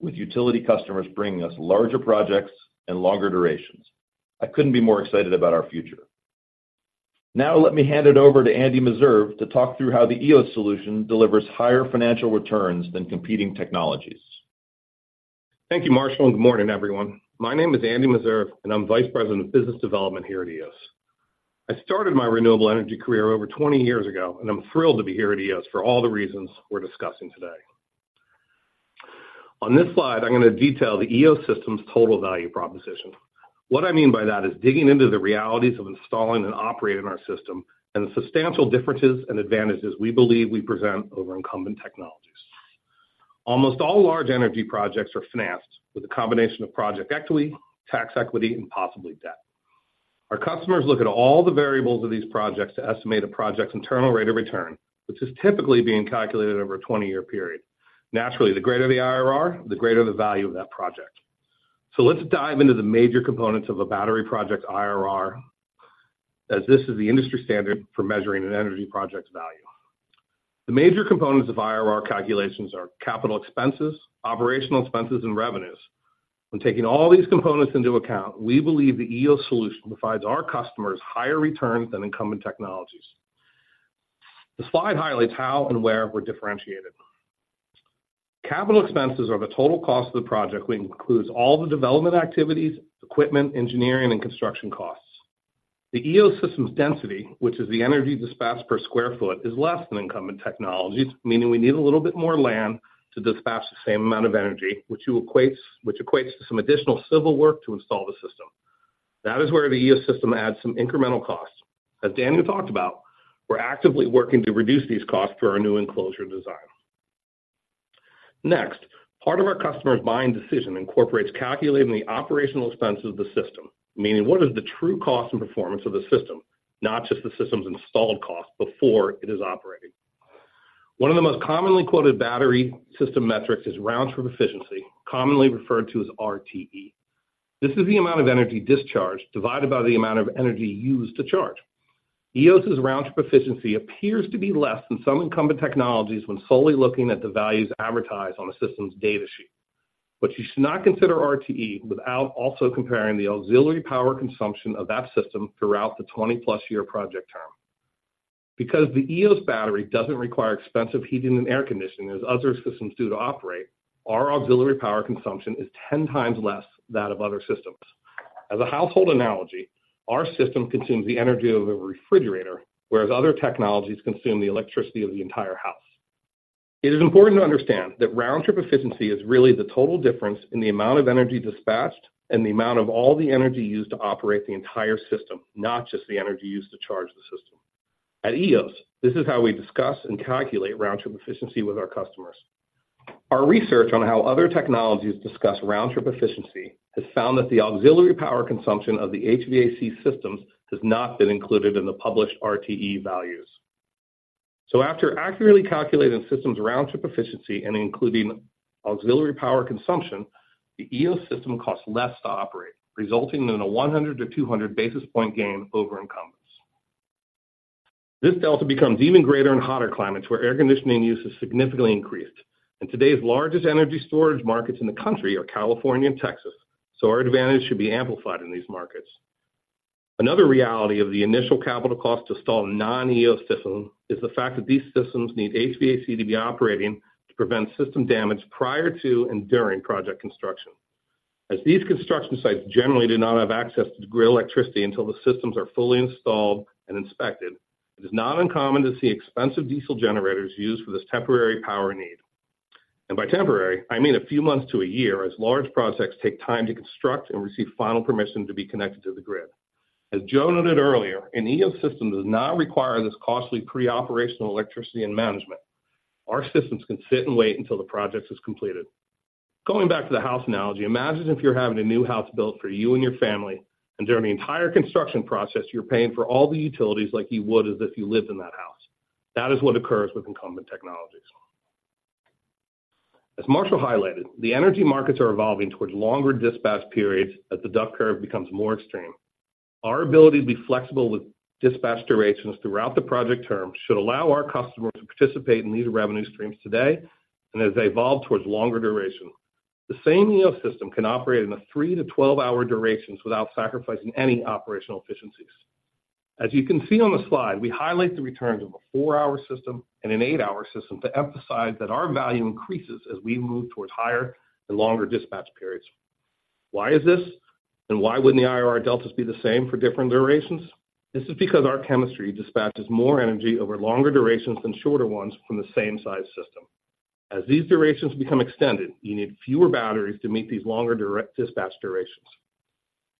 with utility customers bringing us larger projects and longer durations. I couldn't be more excited about our future. Now, let me hand it over to Andy Meserve, to talk through how the Eos solution delivers higher financial returns than competing technologies. Thank you, Marshall, and good morning, everyone. My name is Andy Meserve, and I'm Vice President of Business Development here at Eos. I started my renewable energy career over 20 years ago, and I'm thrilled to be here at Eos for all the reasons we're discussing today. On this slide, I'm going to detail the Eos system's total value proposition. What I mean by that is digging into the realities of installing and operating our system and the substantial differences and advantages we believe we present over incumbent technologies. Almost all large energy projects are financed with a combination of project equity, tax equity, and possibly debt. Our customers look at all the variables of these projects to estimate a project's internal rate of return, which is typically being calculated over a 20-year period. Naturally, the greater the IRR, the greater the value of that project. So let's dive into the major components of a battery project IRR, as this is the industry standard for measuring an energy project's value. The major components of IRR calculations are capital expenses, operational expenses, and revenues. When taking all these components into account, we believe the Eos solution provides our customers higher returns than incumbent technologies. The slide highlights how and where we're differentiated. Capital expenses are the total cost of the project, which includes all the development activities, equipment, engineering, and construction costs. The Eos system's density, which is the energy dispatched per square foot, is less than incumbent technologies, meaning we need a little bit more land to dispatch the same amount of energy, which equates to some additional civil work to install the system. That is where the Eos system adds some incremental costs. As Daniel talked about, we're actively working to reduce these costs through our new enclosure design. Next, part of our customer's buying decision incorporates calculating the operational expense of the system. Meaning, what is the true cost and performance of the system? Not just the system's installed cost before it is operating. One of the most commonly quoted battery system metrics is round-trip efficiency, commonly referred to as RTE. This is the amount of energy discharged divided by the amount of energy used to charge. Eos' round-trip efficiency appears to be less than some incumbent technologies when solely looking at the values advertised on a system's data sheet. But you should not consider RTE without also comparing the auxiliary power consumption of that system throughout the 20+ year project term. Because the Eos battery doesn't require expensive heating and air conditioning, as other systems do to operate, our auxiliary power consumption is 10 times less than that of other systems. As a household analogy, our system consumes the energy of a refrigerator, whereas other technologies consume the electricity of the entire house. It is important to understand that round-trip efficiency is really the total difference in the amount of energy dispatched and the amount of all the energy used to operate the entire system, not just the energy used to charge the system. At Eos, this is how we discuss and calculate round-trip efficiency with our customers. Our research on how other technologies discuss round-trip efficiency has found that the auxiliary power consumption of the HVAC systems has not been included in the published RTE values.... So after accurately calculating systems' round-trip efficiency and including auxiliary power consumption, the Eos system costs less to operate, resulting in a 100-200 basis point gain over incumbents. This delta becomes even greater in hotter climates, where air conditioning use is significantly increased, and today's largest energy storage markets in the country are California and Texas, so our advantage should be amplified in these markets. Another reality of the initial capital cost to install a non-Eos system is the fact that these systems need HVAC to be operating to prevent system damage prior to and during project construction. As these construction sites generally do not have access to grid electricity until the systems are fully installed and inspected, it is not uncommon to see expensive diesel generators used for this temporary power need. By temporary, I mean a few months to a year, as large projects take time to construct and receive final permission to be connected to the grid. As Joe noted earlier, an Eos system does not require this costly pre-operational electricity and management. Our systems can sit and wait until the project is completed. Going back to the house analogy, imagine if you're having a new house built for you and your family, and during the entire construction process, you're paying for all the utilities like you would as if you lived in that house. That is what occurs with incumbent technologies. As Marshall highlighted, the energy markets are evolving towards longer dispatch periods as the Duck Curve becomes more extreme. Our ability to be flexible with dispatch durations throughout the project term should allow our customers to participate in these revenue streams today, and as they evolve towards longer duration. The same Eos system can operate in three-12 hour durations without sacrificing any operational efficiencies. As you can see on the slide, we highlight the returns of a four-hour system and an eight-hour system to emphasize that our value increases as we move towards higher and longer dispatch periods. Why is this? And why wouldn't the IRR deltas be the same for different durations? This is because our chemistry dispatches more energy over longer durations than shorter ones from the same size system. As these durations become extended, you need fewer batteries to meet these longer direct dispatch durations.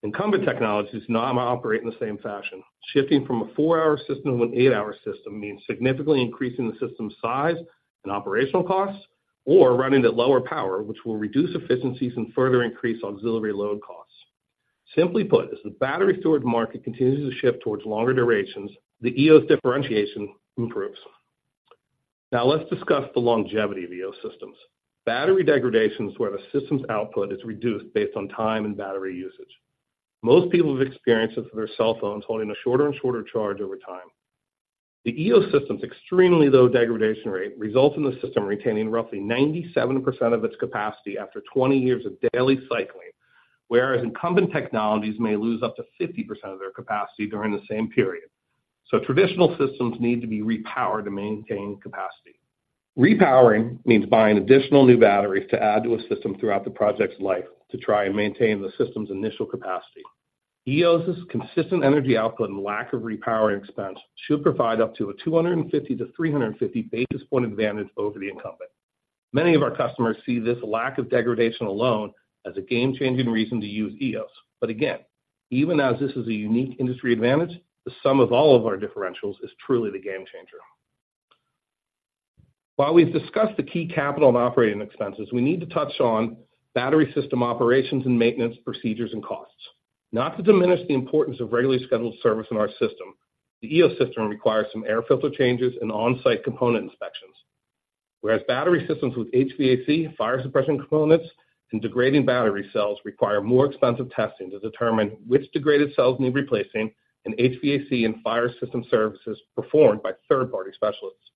Incumbent technologies do not operate in the same fashion. Shifting from a four-hour system to an eight-hour system means significantly increasing the system's size and operational costs or running at lower power, which will reduce efficiencies and further increase auxiliary load costs. Simply put, as the battery storage market continues to shift towards longer durations, the Eos differentiation improves. Now, let's discuss the longevity of Eos systems. Battery degradation is where the system's output is reduced based on time and battery usage. Most people have experienced this with their cell phones holding a shorter and shorter charge over time. The Eos system's extremely low degradation rate results in the system retaining roughly 97% of its capacity after 20 years of daily cycling, whereas incumbent technologies may lose up to 50% of their capacity during the same period. So traditional systems need to be repowered to maintain capacity. Repowering means buying additional new batteries to add to a system throughout the project's life to try and maintain the system's initial capacity. Eos's consistent energy output and lack of repowering expense should provide up to a 250-350 basis point advantage over the incumbent. Many of our customers see this lack of degradation alone as a game-changing reason to use Eos. But again, even as this is a unique industry advantage, the sum of all of our differentials is truly the game changer. While we've discussed the key capital and operating expenses, we need to touch on battery system operations and maintenance procedures and costs. Not to diminish the importance of regularly scheduled service in our system. The Eos system requires some air filter changes and on-site component inspections, whereas battery systems with HVAC, fire suppression components, and degrading battery cells require more expensive testing to determine which degraded cells need replacing, and HVAC and fire system services performed by third-party specialists.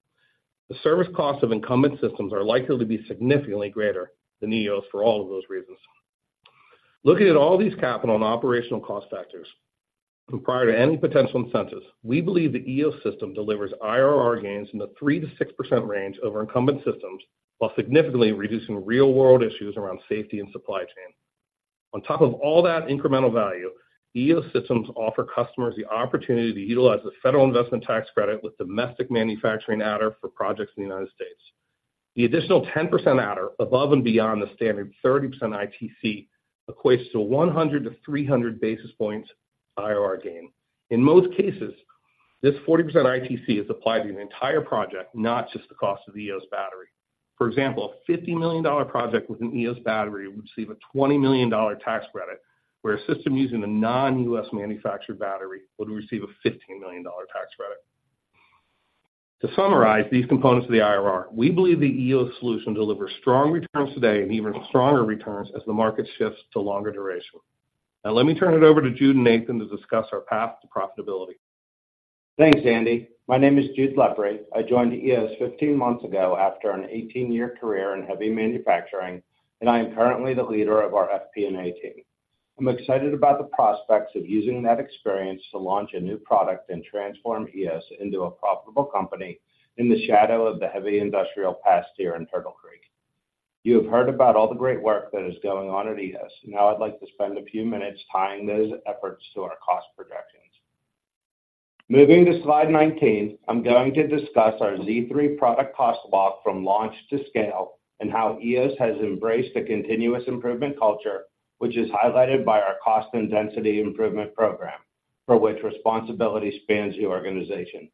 The service costs of incumbent systems are likely to be significantly greater than Eos for all of those reasons. Looking at all these capital and operational cost factors, prior to any potential incentives, we believe the Eos system delivers IRR gains in the 3%-6% range over incumbent systems, while significantly reducing real-world issues around safety and supply chain. On top of all that incremental value, Eos systems offer customers the opportunity to utilize the federal investment tax credit with domestic manufacturing adder for projects in the U.S.. The additional 10% adder, above and beyond the standard 30% ITC, equates to a 100-300 basis points IRR gain. In most cases, this 40% ITC is applied to the entire project, not just the cost of the Eos battery. For example, a $50 million project with an Eos battery would receive a $20 million tax credit, where a system using a non-US manufactured battery would receive a $15 million tax credit. To summarize these components of the IRR, we believe the Eos solution delivers strong returns today and even stronger returns as the market shifts to longer duration. Now, let me turn it over to Jude and Nathan to discuss our path to profitability. Thanks, Andy. My name is Jude Lepri. I joined Eos 15 months ago after an 18-year career in heavy manufacturing, and I am currently the leader of our FP&A team. I'm excited about the prospects of using that experience to launch a new product and transform Eos into a profitable company in the shadow of the heavy industrial past here in Turtle Creek. You have heard about all the great work that is going on at Eos. Now, I'd like to spend a few minutes tying those efforts to our cost projections. Moving to slide 19, I'm going to discuss our Z3 product cost walk from launch to scale, and how Eos has embraced a continuous improvement culture, which is highlighted by our cost and density improvement program, for which responsibility spans the organization.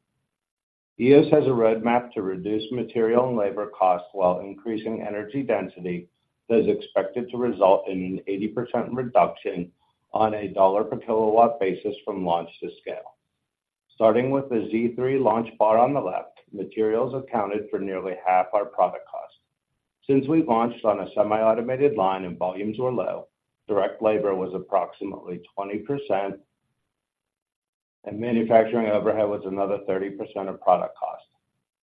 Eos has a roadmap to reduce material and labor costs while increasing energy density that is expected to result in an 80% reduction on a dollar per kilowatt basis from launch to scale. Starting with the Z3 launch bar on the left, materials accounted for nearly half our product cost. Since we launched on a semi-automated line and volumes were low, direct labor was approximately 20%, and manufacturing overhead was another 30% of product cost.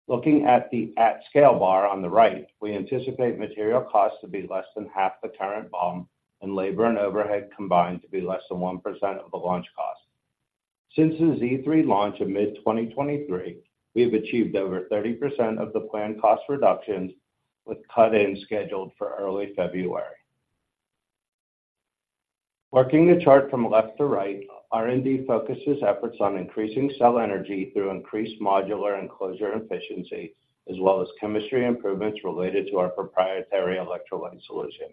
Looking at the at scale bar on the right, we anticipate material costs to be less than half the current BOM, and labor and overhead combined to be less than 1% of the launch cost. Since the Z3 launch in mid-2023, we have achieved over 30% of the planned cost reductions, with cut-in scheduled for early February. Working the chart from left to right, R&D focuses efforts on increasing cell energy through increased modular and closure efficiency, as well as chemistry improvements related to our proprietary electrolyte solution.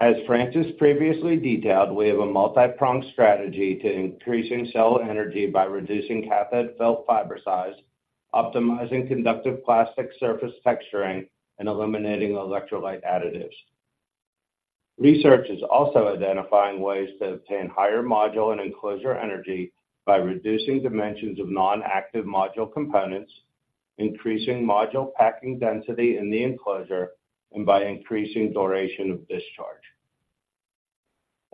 As Francis previously detailed, we have a multi-pronged strategy to increasing cell energy by reducing cathode felt fiber size, optimizing conductive plastic surface texturing, and eliminating electrolyte additives. Research is also identifying ways to obtain higher module and enclosure energy by reducing dimensions of non-active module components, increasing module packing density in the enclosure, and by increasing duration of discharge.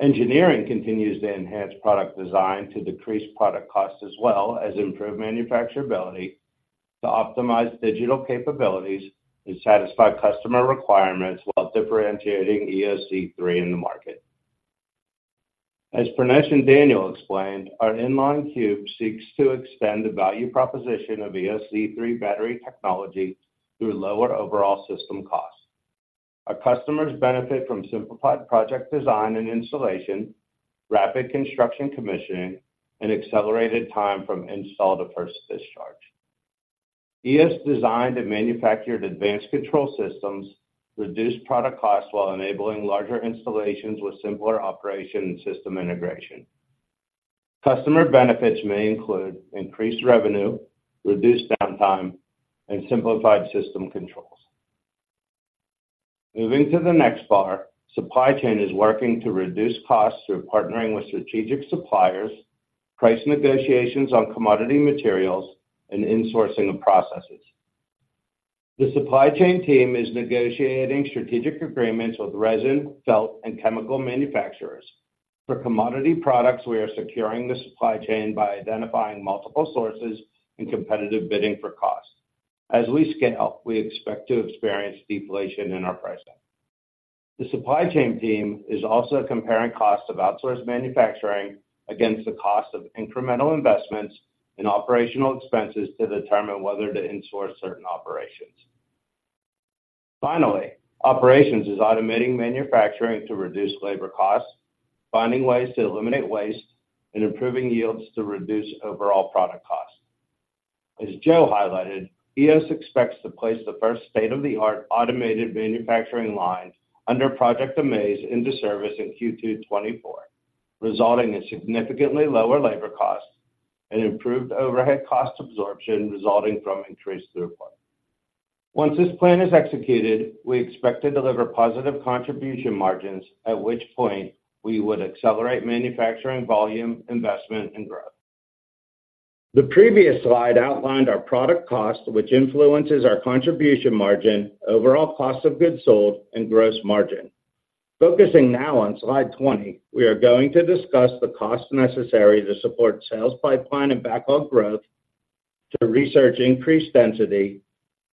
Engineering continues to enhance product design to decrease product cost, as well as improve manufacturability, to optimize digital capabilities, and satisfy customer requirements while differentiating Eos Z3 in the market. As Pranesh and Daniel explained, our Eos Z3 Cube seeks to extend the value proposition of Eos Z3 battery technology through lower overall system costs. Our customers benefit from simplified project design and installation, rapid construction commissioning, and accelerated time from install to first discharge. Eos designed and manufactured advanced control systems, reduced product costs, while enabling larger installations with simpler operation and system integration. Customer benefits may include increased revenue, reduced downtime, and simplified system controls. Moving to the next bar, supply chain is working to reduce costs through partnering with strategic suppliers, price negotiations on commodity materials, and insourcing of processes. The supply chain team is negotiating strategic agreements with resin, felt, and chemical manufacturers. For commodity products, we are securing the supply chain by identifying multiple sources and competitive bidding for costs. As we scale, we expect to experience deflation in our pricing. The supply chain team is also comparing costs of outsourced manufacturing against the cost of incremental investments and operational expenses to determine whether to in-source certain operations. Finally, operations is automating manufacturing to reduce labor costs, finding ways to eliminate waste, and improving yields to reduce overall product costs. As Joe highlighted, ES expects to place the first state-of-the-art automated manufacturing line under Project AMAZE into service in Q2 2024, resulting in significantly lower labor costs and improved overhead cost absorption resulting from increased throughput. Once this plan is executed, we expect to deliver positive contribution margins, at which point we would accelerate manufacturing volume, investment, and growth. The previous slide outlined our product cost, which influences our contribution margin, overall cost of goods sold, and gross margin. Focusing now on slide 20, we are going to discuss the costs necessary to support sales pipeline and backlog growth, to research increased density,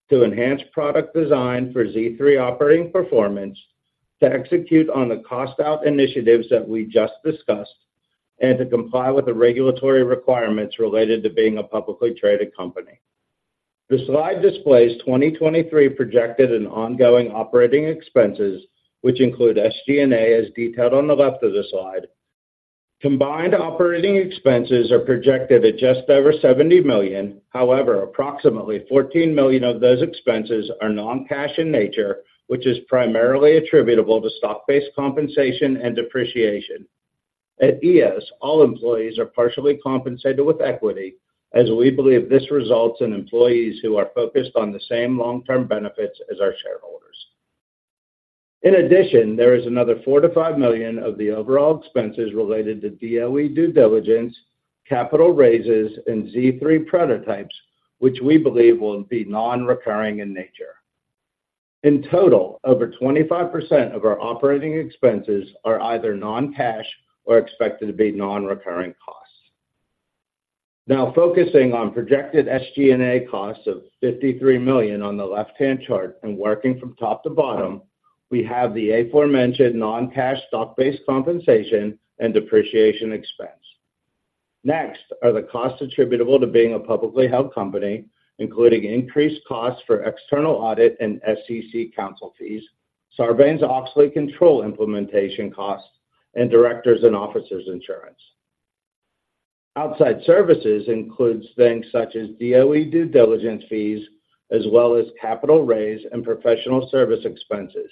to enhance product design for Z3 operating performance, to execute on the cost out initiatives that we just discussed, and to comply with the regulatory requirements related to being a publicly traded company. The slide displays 2023 projected and ongoing operating expenses, which include SG&A, as detailed on the left of the slide. Combined operating expenses are projected at just over $70 million. However, approximately $14 million of those expenses are non-cash in nature, which is primarily attributable to stock-based compensation and depreciation. At Eos, all employees are partially compensated with equity, as we believe this results in employees who are focused on the same long-term benefits as our shareholders. In addition, there is another $4 million-$5 million of the overall expenses related to DOE due diligence, capital raises, and Z3 prototypes, which we believe will be non-recurring in nature. In total, over 25% of our operating expenses are either non-cash or expected to be non-recurring costs. Now, focusing on projected SG&A costs of $53 million on the left-hand chart, and working from top to bottom, we have the aforementioned non-cash stock-based compensation and depreciation expense. Next are the costs attributable to being a publicly held company, including increased costs for external audit and SEC counsel fees, Sarbanes-Oxley control implementation costs, and directors and officers insurance. Outside services includes things such as DOE due diligence fees, as well as capital raise and professional service expenses.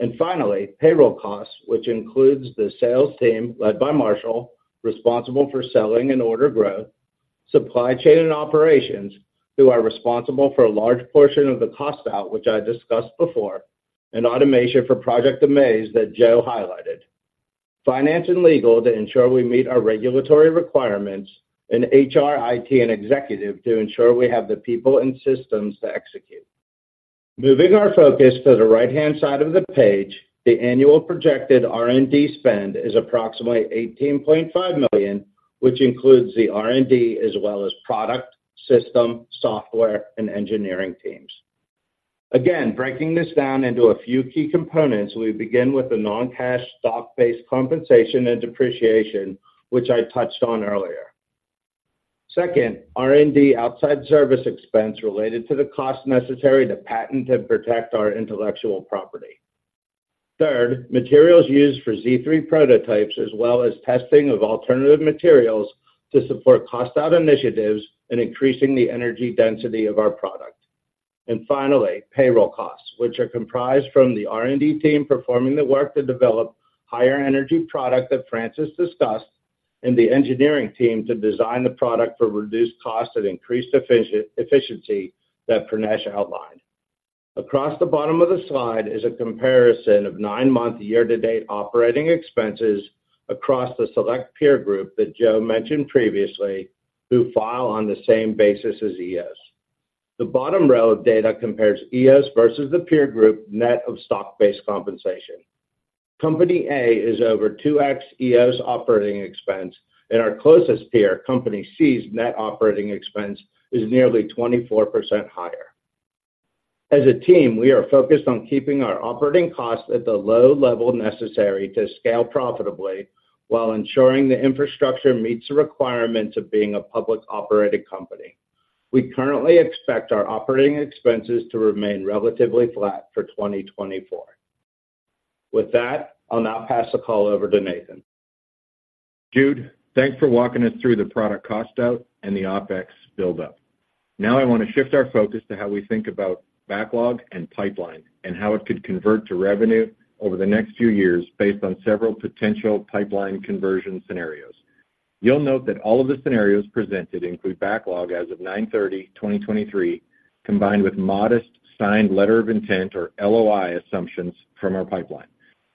And finally, payroll costs, which includes the sales team, led by Marshall, responsible for selling and order growth, supply chain and operations, who are responsible for a large portion of the cost out, which I discussed before, and automation for Project AMAZE that Joe highlighted, finance and legal to ensure we meet our regulatory requirements, and HR, IT, and executive to ensure we have the people and systems to execute. Moving our focus to the right-hand side of the page, the annual projected R&D spend is approximately $18.5 million, which includes the R&D as well as product, system, software, and engineering teams. Again, breaking this down into a few key components, we begin with the non-cash stock-based compensation and depreciation, which I touched on earlier. Second, R&D outside service expense related to the cost necessary to patent and protect our intellectual property. Third, materials used for Z3 prototypes, as well as testing of alternative materials to support cost out initiatives and increasing the energy density of our product. And finally, payroll costs, which are comprised from the R&D team performing the work to develop higher energy product that Francis discussed, and the engineering team to design the product for reduced cost and increased efficiency that Pranesh outlined. Across the bottom of the slide is a comparison of nine-month year-to-date operating expenses across the select peer group that Joe mentioned previously, who file on the same basis as Eos. The bottom row of data compares Eos versus the peer group net of stock-based compensation. Company A is over 2x Eos operating expense, and our closest peer, Company C's net operating expense, is nearly 24% higher. As a team, we are focused on keeping our operating costs at the low level necessary to scale profitably while ensuring the infrastructure meets the requirements of being a public-operated company. We currently expect our operating expenses to remain relatively flat for 2024. With that, I'll now pass the call over to Nathan. Jude, thanks for walking us through the product cost out and the OpEx build-up. Now I want to shift our focus to how we think about backlog and pipeline, and how it could convert to revenue over the next few years based on several potential pipeline conversion scenarios. You'll note that all of the scenarios presented include backlog as of 9/30/2023, combined with modest signed letter of intent or LOI assumptions from our pipeline.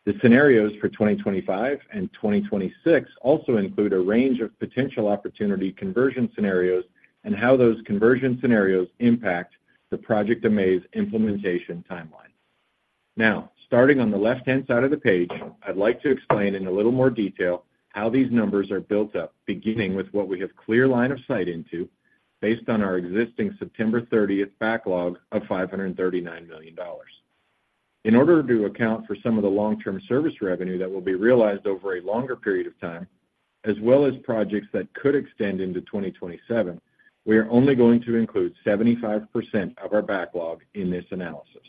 The scenarios for 2025 and 2026 also include a range of potential opportunity conversion scenarios and how those conversion scenarios impact the Project AMAZE implementation timeline. Now, starting on the left-hand side of the page, I'd like to explain in a little more detail how these numbers are built up, beginning with what we have clear line of sight into based on our existing September 30th backlog of $539 million. In order to account for some of the long-term service revenue that will be realized over a longer period of time, as well as projects that could extend into 2027, we are only going to include 75% of our backlog in this analysis.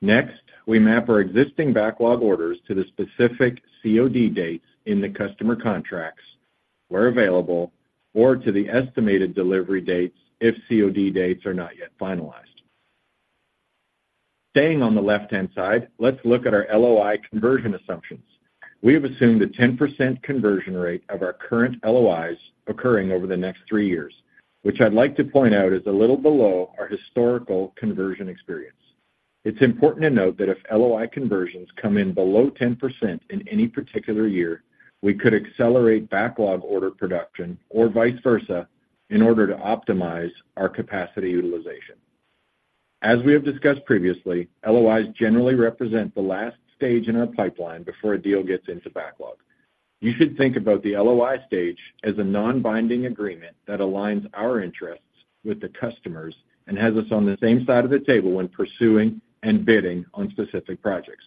Next, we map our existing backlog orders to the specific COD dates in the customer contracts, where available, or to the estimated delivery dates if COD dates are not yet finalized. Staying on the left-hand side, let's look at our LOI conversion assumptions. We have assumed a 10% conversion rate of our current LOIs occurring over the next three years, which I'd like to point out is a little below our historical conversion experience. It's important to note that if LOI conversions come in below 10% in any particular year, we could accelerate backlog order production or vice versa, in order to optimize our capacity utilization. As we have discussed previously, LOIs generally represent the last stage in our pipeline before a deal gets into backlog. You should think about the LOI stage as a non-binding agreement that aligns our interests with the customers and has us on the same side of the table when pursuing and bidding on specific projects.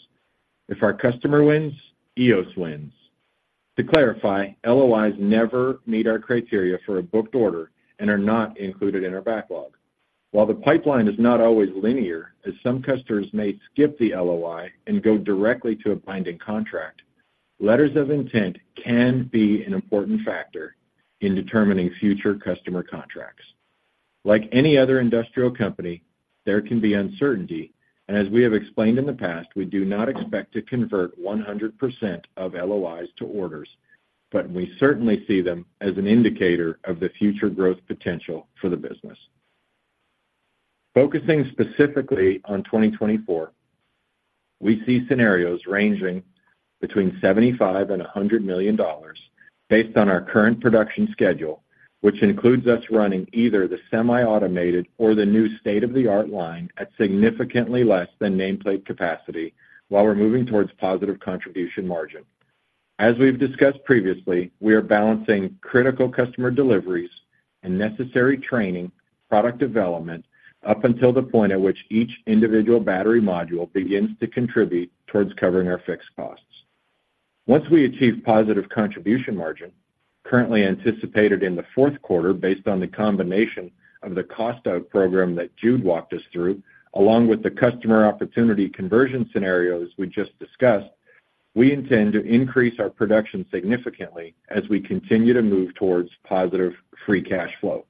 If our customer wins, Eos wins. To clarify, LOIs never meet our criteria for a booked order and are not included in our backlog. While the pipeline is not always linear, as some customers may skip the LOI and go directly to a binding contract, letters of intent can be an important factor in determining future customer contracts. Like any other industrial company, there can be uncertainty, and as we have explained in the past, we do not expect to convert 100% of LOIs to orders, but we certainly see them as an indicator of the future growth potential for the business. Focusing specifically on 2024, we see scenarios ranging between $75 million and $100 million based on our current production schedule, which includes us running either the semi-automated or the new state-of-the-art line at significantly less than nameplate capacity, while we're moving towards positive contribution margin. As we've discussed previously, we are balancing critical customer deliveries and necessary training, product development, up until the point at which each individual battery module begins to contribute towards covering our fixed costs. Once we achieve positive contribution margin, currently anticipated in the fourth quarter, based on the combination of the cost out program that Jude walked us through, along with the customer opportunity conversion scenarios we just discussed, we intend to increase our production significantly as we continue to move towards positive free cash flow.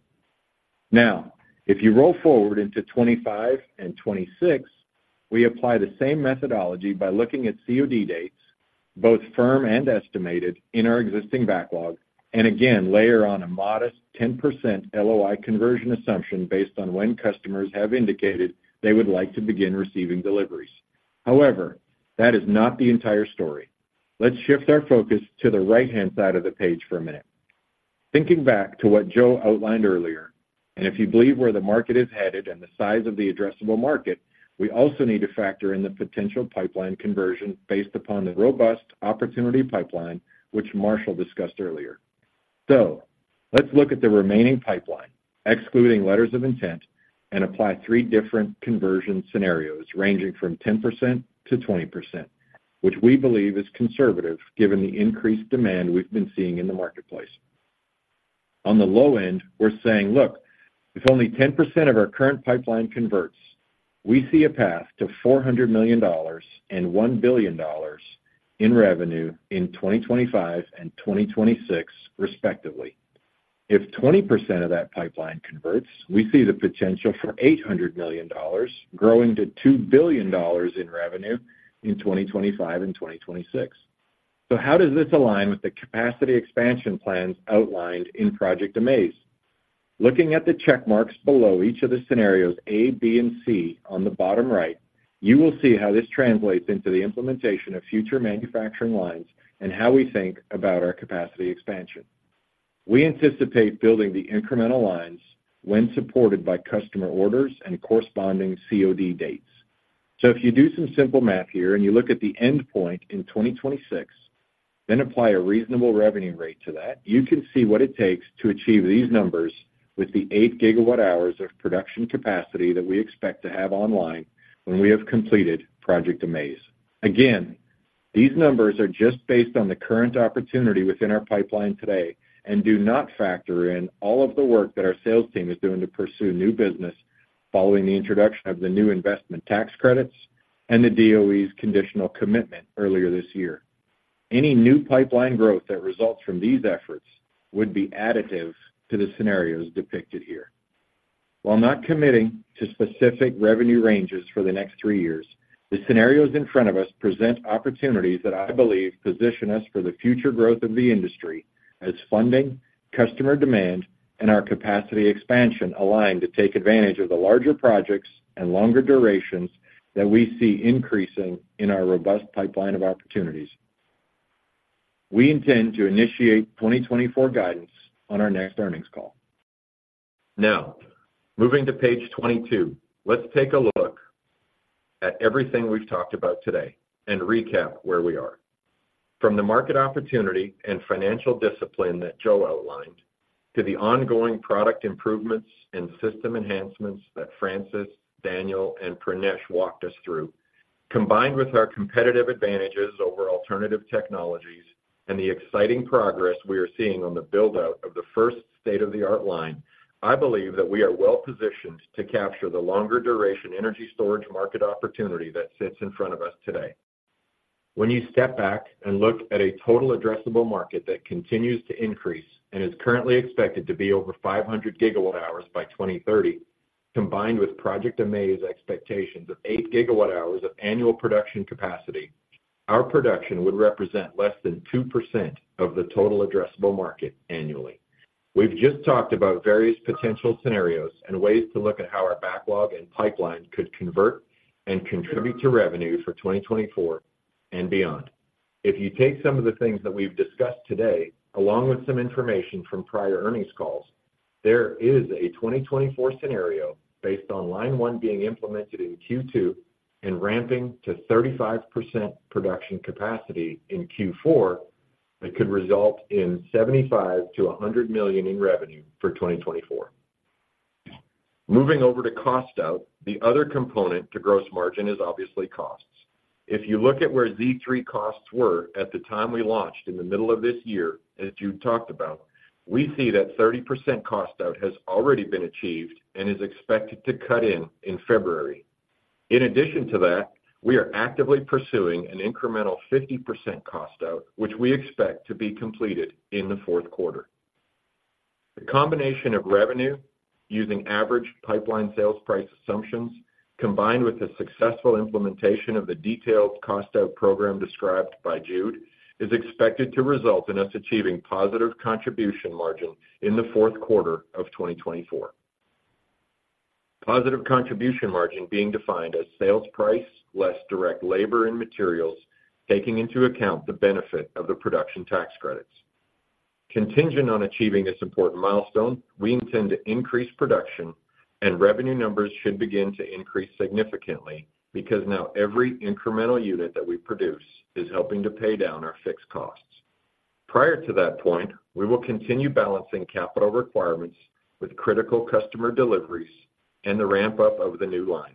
Now, if you roll forward into 2025 and 2026, we apply the same methodology by looking at COD dates, both firm and estimated, in our existing backlog, and again, layer on a modest 10% LOI conversion assumption based on when customers have indicated they would like to begin receiving deliveries. However, that is not the entire story. Let's shift our focus to the right-hand side of the page for a minute... Thinking back to what Joe outlined earlier, and if you believe where the market is headed and the size of the addressable market, we also need to factor in the potential pipeline conversion based upon the robust opportunity pipeline, which Marshall discussed earlier. So let's look at the remaining pipeline, excluding letters of intent, and apply three different conversion scenarios, ranging from 10% to 20%, which we believe is conservative, given the increased demand we've been seeing in the marketplace. On the low end, we're saying, "Look, if only 10% of our current pipeline converts, we see a path to $400 million and $1 billion in revenue in 2025 and 2026, respectively. If 20% of that pipeline converts, we see the potential for $800 million growing to $2 billion in revenue in 2025 and 2026." So how does this align with the capacity expansion plans outlined in Project AMAZE? Looking at the check marks below each of the scenarios A, B, and C on the bottom right, you will see how this translates into the implementation of future manufacturing lines and how we think about our capacity expansion. We anticipate building the incremental lines when supported by customer orders and corresponding COD dates. So if you do some simple math here, and you look at the endpoint in 2026, then apply a reasonable revenue rate to that, you can see what it takes to achieve these numbers with the 8 GWh of production capacity that we expect to have online when we have completed Project AMAZE. Again, these numbers are just based on the current opportunity within our pipeline today and do not factor in all of the work that our sales team is doing to pursue new business following the introduction of the new investment tax credits and the DOE's conditional commitment earlier this year. Any new pipeline growth that results from these efforts would be additive to the scenarios depicted here. While not committing to specific revenue ranges for the next three years, the scenarios in front of us present opportunities that I believe position us for the future growth of the industry as funding, customer demand, and our capacity expansion align to take advantage of the larger projects and longer durations that we see increasing in our robust pipeline of opportunities. We intend to initiate 2024 guidance on our next earnings call. Now, moving to page 22, let's take a look at everything we've talked about today and recap where we are. From the market opportunity and financial discipline that Joe outlined, to the ongoing product improvements and system enhancements that Francis, Daniel, and Pranesh walked us through, combined with our competitive advantages over alternative technologies and the exciting progress we are seeing on the build-out of the first state-of-the-art line, I believe that we are well-positioned to capture the longer-duration energy storage market opportunity that sits in front of us today. When you step back and look at a total addressable market that continues to increase and is currently expected to be over 500 GW hours by 2030, combined with Project AMAZE expectations of 8 GW hours of annual production capacity, our production would represent less than 2% of the total addressable market annually. We've just talked about various potential scenarios and ways to look at how our backlog and pipeline could convert and contribute to revenue for 2024 and beyond. If you take some of the things that we've discussed today, along with some information from prior earnings calls, there is a 2024 scenario based on line one being implemented in Q2 and ramping to 35% production capacity in Q4, that could result in $75 million-$100 million in revenue for 2024. Moving over to cost out, the other component to gross margin is obviously costs. If you look at where Z3 costs were at the time we launched in the middle of this year, as Jude talked about, we see that 30% cost out has already been achieved and is expected to cut in in February. In addition to that, we are actively pursuing an incremental 50% cost out, which we expect to be completed in the fourth quarter. The combination of revenue using average pipeline sales price assumptions, combined with the successful implementation of the detailed cost out program described by Jude, is expected to result in us achieving positive contribution margin in the fourth quarter of 2024. Positive contribution margin being defined as sales price, less direct labor and materials, taking into account the benefit of the production tax credits. Contingent on achieving this important milestone, we intend to increase production, and revenue numbers should begin to increase significantly because now every incremental unit that we produce is helping to pay down our fixed costs. Prior to that point, we will continue balancing capital requirements with critical customer deliveries and the ramp-up of the new line.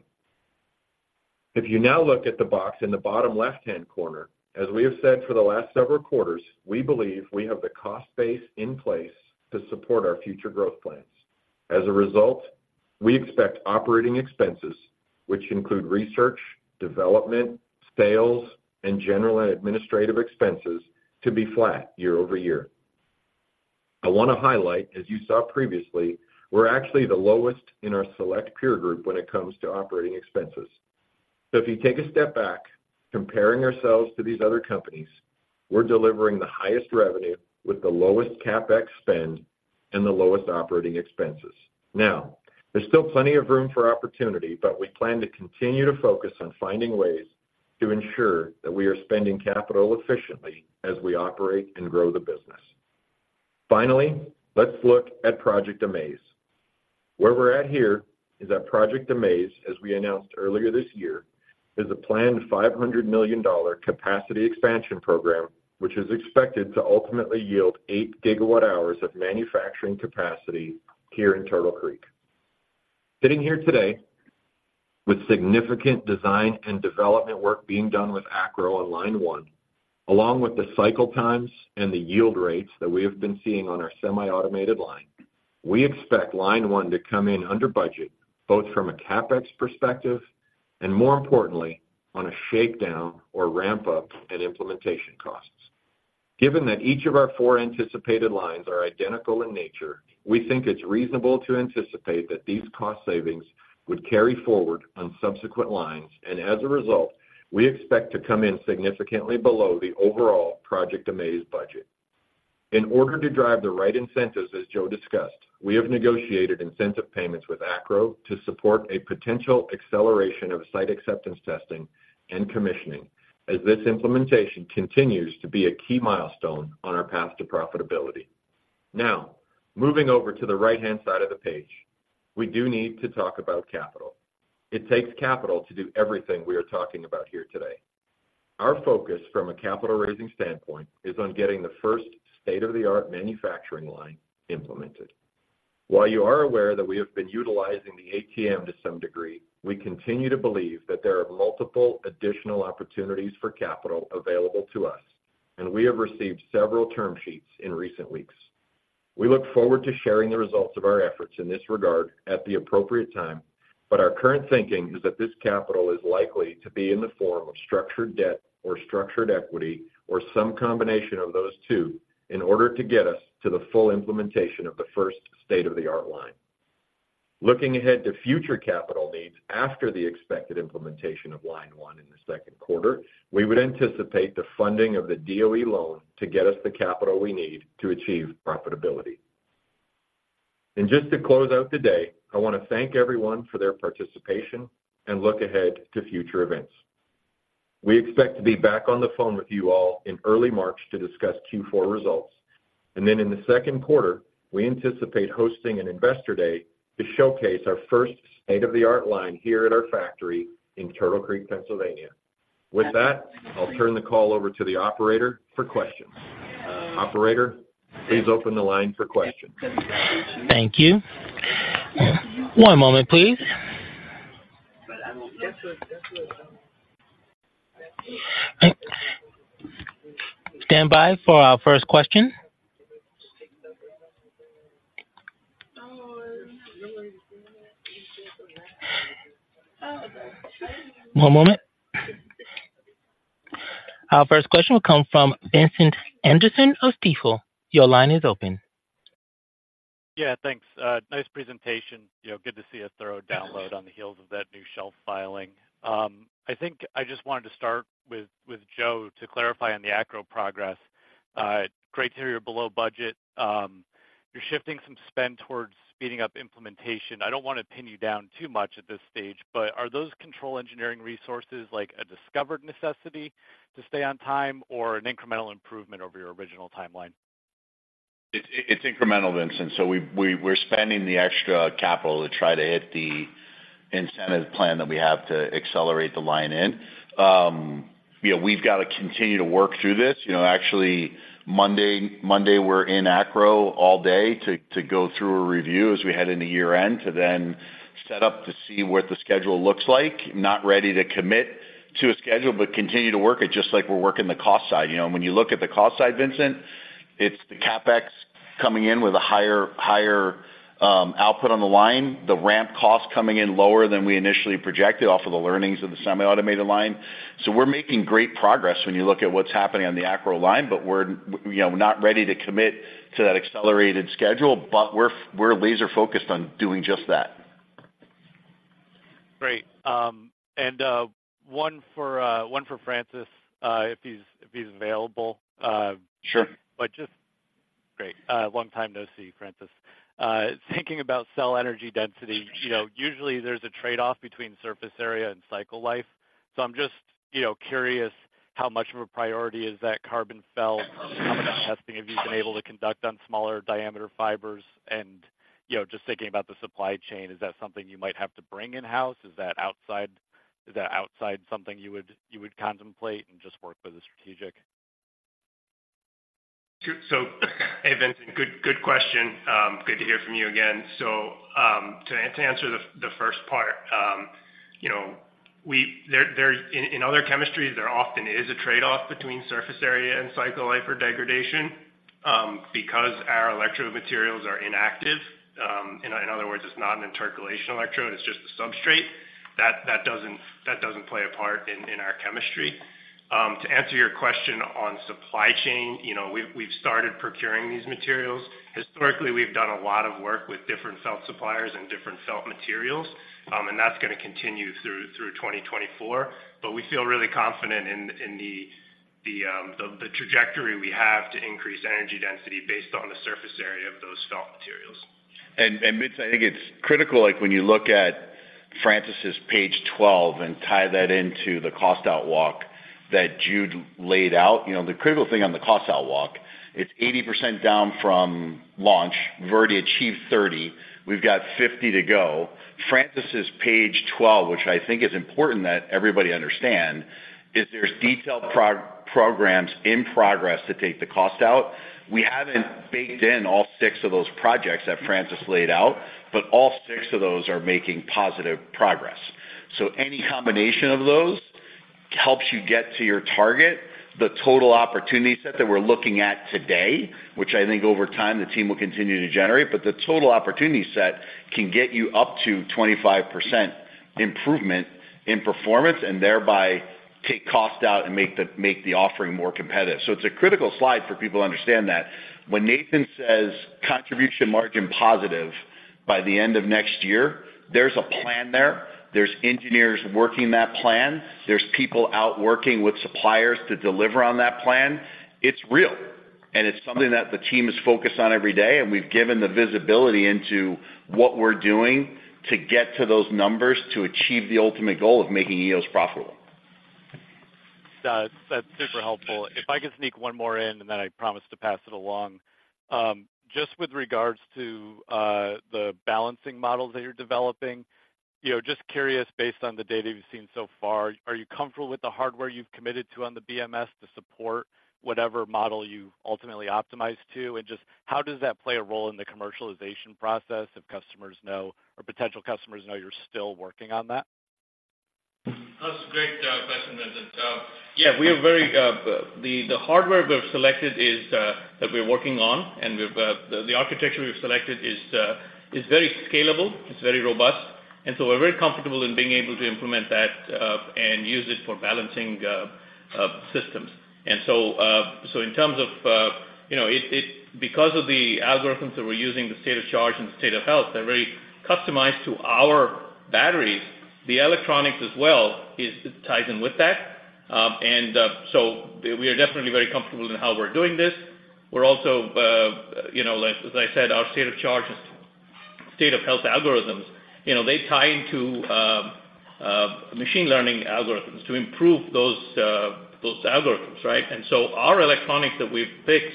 If you now look at the box in the bottom left-hand corner, as we have said for the last several quarters, we believe we have the cost base in place to support our future growth plans. As a result, we expect operating expenses, which include research, development, sales, and general and administrative expenses, to be flat year over year. I want to highlight, as you saw previously, we're actually the lowest in our select peer group when it comes to operating expenses. So if you take a step back, comparing ourselves to these other companies, we're delivering the highest revenue with the lowest CapEx spend and the lowest operating expenses. Now, there's still plenty of room for opportunity, but we plan to continue to focus on finding ways to ensure that we are spending capital efficiently as we operate and grow the business. Finally, let's look at Project AMAZE. Where we're at here is that Project AMAZE, as we announced earlier this year, is a planned $500 million capacity expansion program, which is expected to ultimately yield 8 GWh of manufacturing capacity here in Turtle Creek. Sitting here today, with significant design and development work being done with ACRO on line one, along with the cycle times and the yield rates that we have been seeing on our semi-automated line, we expect line one to come in under budget, both from a CapEx perspective and, more importantly, on a shakedown or ramp-up and implementation costs. Given that each of our four anticipated lines are identical in nature, we think it's reasonable to anticipate that these cost savings would carry forward on subsequent lines, and as a result, we expect to come in significantly below the overall Project AMAZE budget. In order to drive the right incentives, as Joe discussed, we have negotiated incentive payments with ACRO to support a potential acceleration of site acceptance testing and commissioning, as this implementation continues to be a key milestone on our path to profitability. Now, moving over to the right-hand side of the page, we do need to talk about capital. It takes capital to do everything we are talking about here today. Our focus from a capital raising standpoint is on getting the first state-of-the-art manufacturing line implemented. While you are aware that we have been utilizing the ATM to some degree, we continue to believe that there are multiple additional opportunities for capital available to us, and we have received several term sheets in recent weeks. We look forward to sharing the results of our efforts in this regard at the appropriate time, but our current thinking is that this capital is likely to be in the form of structured debt or structured equity, or some combination of those two, in order to get us to the full implementation of the first state-of-the-art line. Looking ahead to future capital needs after the expected implementation of line one in the second quarter, we would anticipate the funding of the DOE loan to get us the capital we need to achieve profitability. Just to close out today, I want to thank everyone for their participation and look ahead to future events. We expect to be back on the phone with you all in early March to discuss Q4 results, and then in the second quarter, we anticipate hosting an Investor Day to showcase our first state-of-the-art line here at our factory in Turtle Creek, Pennsylvania. With that, I'll turn the call over to the operator for questions. Operator, please open the line for questions. Thank you. One moment, please. Standby for our first question. One moment. Our first question will come from Vincent Anderson of Stifel. Your line is open. Yeah, thanks. Nice presentation. You know, good to see a thorough download on the heels of that new shelf filing. I think I just wanted to start with, with Joe to clarify on the ACRO progress. Great to hear you're below budget. You're shifting some spend towards speeding up implementation. I don't want to pin you down too much at this stage, but are those control engineering resources like a discovered necessity to stay on time or an incremental improvement over your original timeline? It's incremental, Vincent, so we're spending the extra capital to try to hit the incentive plan that we have to accelerate the line in. You know, we've got to continue to work through this. You know, actually, Monday we're in ACRO all day to go through a review as we head into year-end, to then set up to see what the schedule looks like. Not ready to commit to a schedule, but continue to work it, just like we're working the cost side. You know, when you look at the cost side, Vincent, it's the CapEx coming in with a higher output on the line, the ramp cost coming in lower than we initially projected off of the learnings of the semi-automated line. We're making great progress when you look at what's happening on the ACRO line, but we're, you know, not ready to commit to that accelerated schedule, but we're laser-focused on doing just that. Great. And one for Francis, if he's available. Sure. But just... Great. Long time no see, Francis. Thinking about cell energy density, you know, usually there's a trade-off between surface area and cycle life. So I'm just, you know, curious, how much of a priority is that carbon felt? How much testing have you been able to conduct on smaller diameter fibers? And, you know, just thinking about the supply chain, is that something you might have to bring in-house? Is that outside, is that outside something you would, you would contemplate and just work with a strategic? So, hey, Vincent, good, good question. Good to hear from you again. To answer the first part, you know, in other chemistries, there often is a trade-off between surface area and cycle life or degradation. Because our electrode materials are inactive, in other words, it's not an intercalation electrode, it's just a substrate that doesn't play a part in our chemistry. To answer your question on supply chain, you know, we've started procuring these materials. Historically, we've done a lot of work with different felt suppliers and different felt materials, and that's gonna continue through 2024. But we feel really confident in the-... the trajectory we have to increase energy density based on the surface area of those felt materials. And, and Vince, I think it's critical, like, when you look at Francis' page 12 and tie that into the cost outwalk that Jude laid out, you know, the critical thing on the cost outwalk, it's 80% down from launch. We've already achieved 30%, we've got 50% to go. Francis' page 12, which I think is important that everybody understand, is there's detailed programs in progress to take the cost out. We haven't baked in all six of those projects that Francis laid out, but all six of those are making positive progress. So any combination of those helps you get to your target. The total opportunity set that we're looking at today, which I think over time the team will continue to generate, but the total opportunity set can get you up to 25% improvement in performance, and thereby take cost out and make the, make the offering more competitive. So it's a critical slide for people to understand that. When Nathan says contribution margin positive by the end of next year, there's a plan there. There's engineers working that plan. There's people out working with suppliers to deliver on that plan. It's real, and it's something that the team is focused on every day, and we've given the visibility into what we're doing to get to those numbers to achieve the ultimate goal of making Eos profitable. That's, that's super helpful. If I could sneak one more in, and then I promise to pass it along. Just with regards to the balancing models that you're developing, you know, just curious, based on the data you've seen so far, are you comfortable with the hardware you've committed to on the BMS to support whatever model you ultimately optimize to? And just how does that play a role in the commercialization process if customers know or potential customers know you're still working on that? That's a great question, Vincent. Yeah, we are very. The hardware we have selected is that we're working on, and the architecture we've selected is very scalable, it's very robust, and so we're very comfortable in being able to implement that and use it for balancing systems. So in terms of, you know, it because of the algorithms that we're using, the state of charge and the state of health, they're very customized to our batteries. The electronics as well ties in with that. So we are definitely very comfortable in how we're doing this. We're also, you know, like as I said, our state of charge and state of health algorithms, you know, they tie into, machine learning algorithms to improve those, those algorithms, right? And so our electronics that we've picked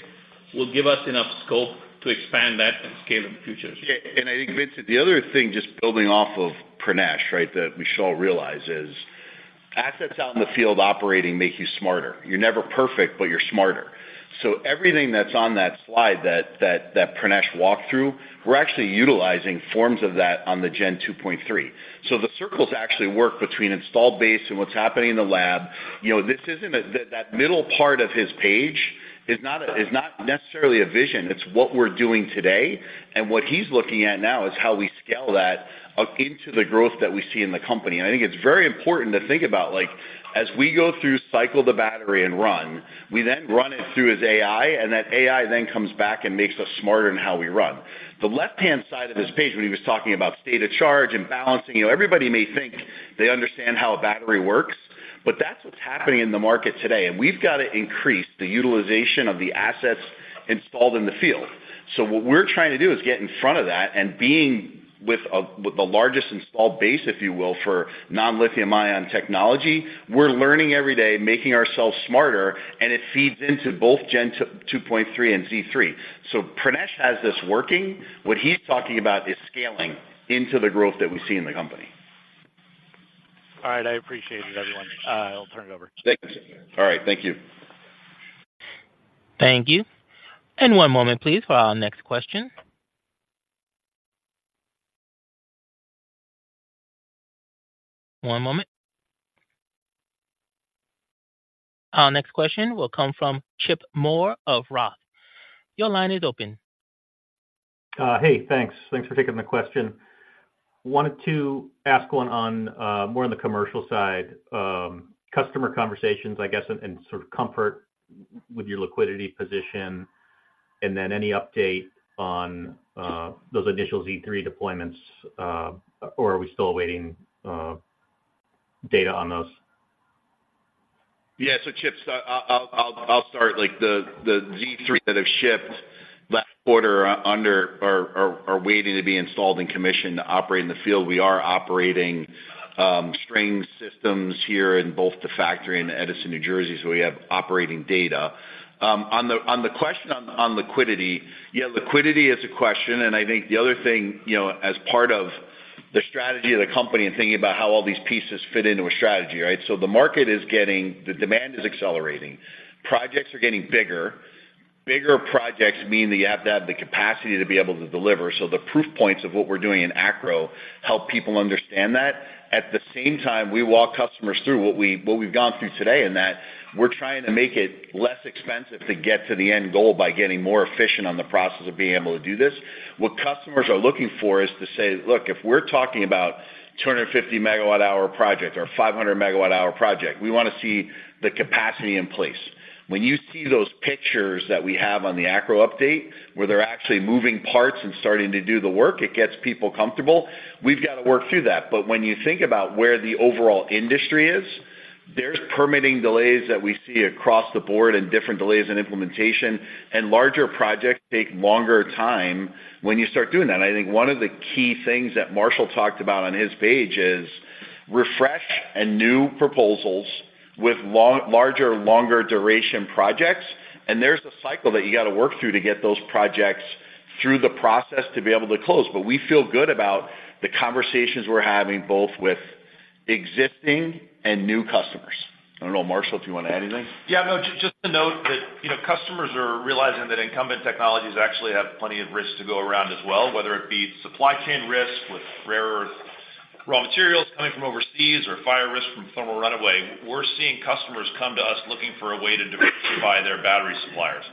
will give us enough scope to expand that and scale in the future. Yeah, and I think, Vincent, the other thing, just building off of Pranesh, right, that we should all realize is, assets out in the field operating make you smarter. You're never perfect, but you're smarter. So everything that's on that slide that Pranesh walked through, we're actually utilizing forms of that on the Gen 2.3. So the circles actually work between installed base and what's happening in the lab. You know, this isn't a—that middle part of his page is not necessarily a vision, it's what we're doing today. And what he's looking at now is how we scale that into the growth that we see in the company. And I think it's very important to think about, like, as we go through cycle the battery and run, we then run it through his AI, and that AI then comes back and makes us smarter in how we run. The left-hand side of his page, when he was talking about state of charge and balancing, you know, everybody may think they understand how a battery works, but that's what's happening in the market today, and we've got to increase the utilization of the assets installed in the field. So what we're trying to do is get in front of that and being with the largest installed base, if you will, for non-lithium-ion technology, we're learning every day, making ourselves smarter, and it feeds into both Gen 2.3 and Z3. So Pranesh has this working. What he's talking about is scaling into the growth that we see in the company. All right, I appreciate it, everyone. I'll turn it over. Thanks. All right, thank you. Thank you. One moment, please, for our next question. One moment. Our next question will come from Chip Moore of Roth. Your line is open. Hey, thanks. Thanks for taking the question. Wanted to ask one on more on the commercial side, customer conversations, I guess, and sort of comfort with your liquidity position, and then any update on those initial Z3 deployments, or are we still awaiting data on those? Yeah, Chip, I'll start. Like, the Z3 that have shipped last quarter are waiting to be installed and commissioned to operate in the field. We are operating string systems here in both the factory in Edison, New Jersey, so we have operating data. On the question on liquidity, yeah, liquidity is a question, and I think the other thing, you know, as part of the strategy of the company and thinking about how all these pieces fit into a strategy, right? So the market is getting the demand is accelerating. Projects are getting bigger. Bigger projects mean that you have to have the capacity to be able to deliver. So the proof points of what we're doing in ACRO help people understand that. At the same time, we walk customers through what we, what we've gone through today, and that we're trying to make it less expensive to get to the end goal by getting more efficient on the process of being able to do this. What customers are looking for is to say, "Look, if we're talking about 250 MWh project or 500 MWh project, we want to see the capacity in place." When you see those pictures that we have on the ACRO update, where they're actually moving parts and starting to do the work, it gets people comfortable. We've got to work through that. But when you think about where the overall industry is. There's permitting delays that we see across the board, and different delays in implementation, and larger projects take longer time when you start doing that. I think one of the key things that Marshall talked about on his page is refresh and new proposals with larger, longer duration projects, and there's a cycle that you got to work through to get those projects through the process to be able to close. But we feel good about the conversations we're having, both with existing and new customers. I don't know, Marshall, if you want to add anything? Yeah, no, just to note that, you know, customers are realizing that incumbent technologies actually have plenty of risk to go around as well, whether it be supply chain risk with rare earth raw materials coming from overseas or fire risk from thermal runaway. We're seeing customers come to us looking for a way to diversify their battery suppliers.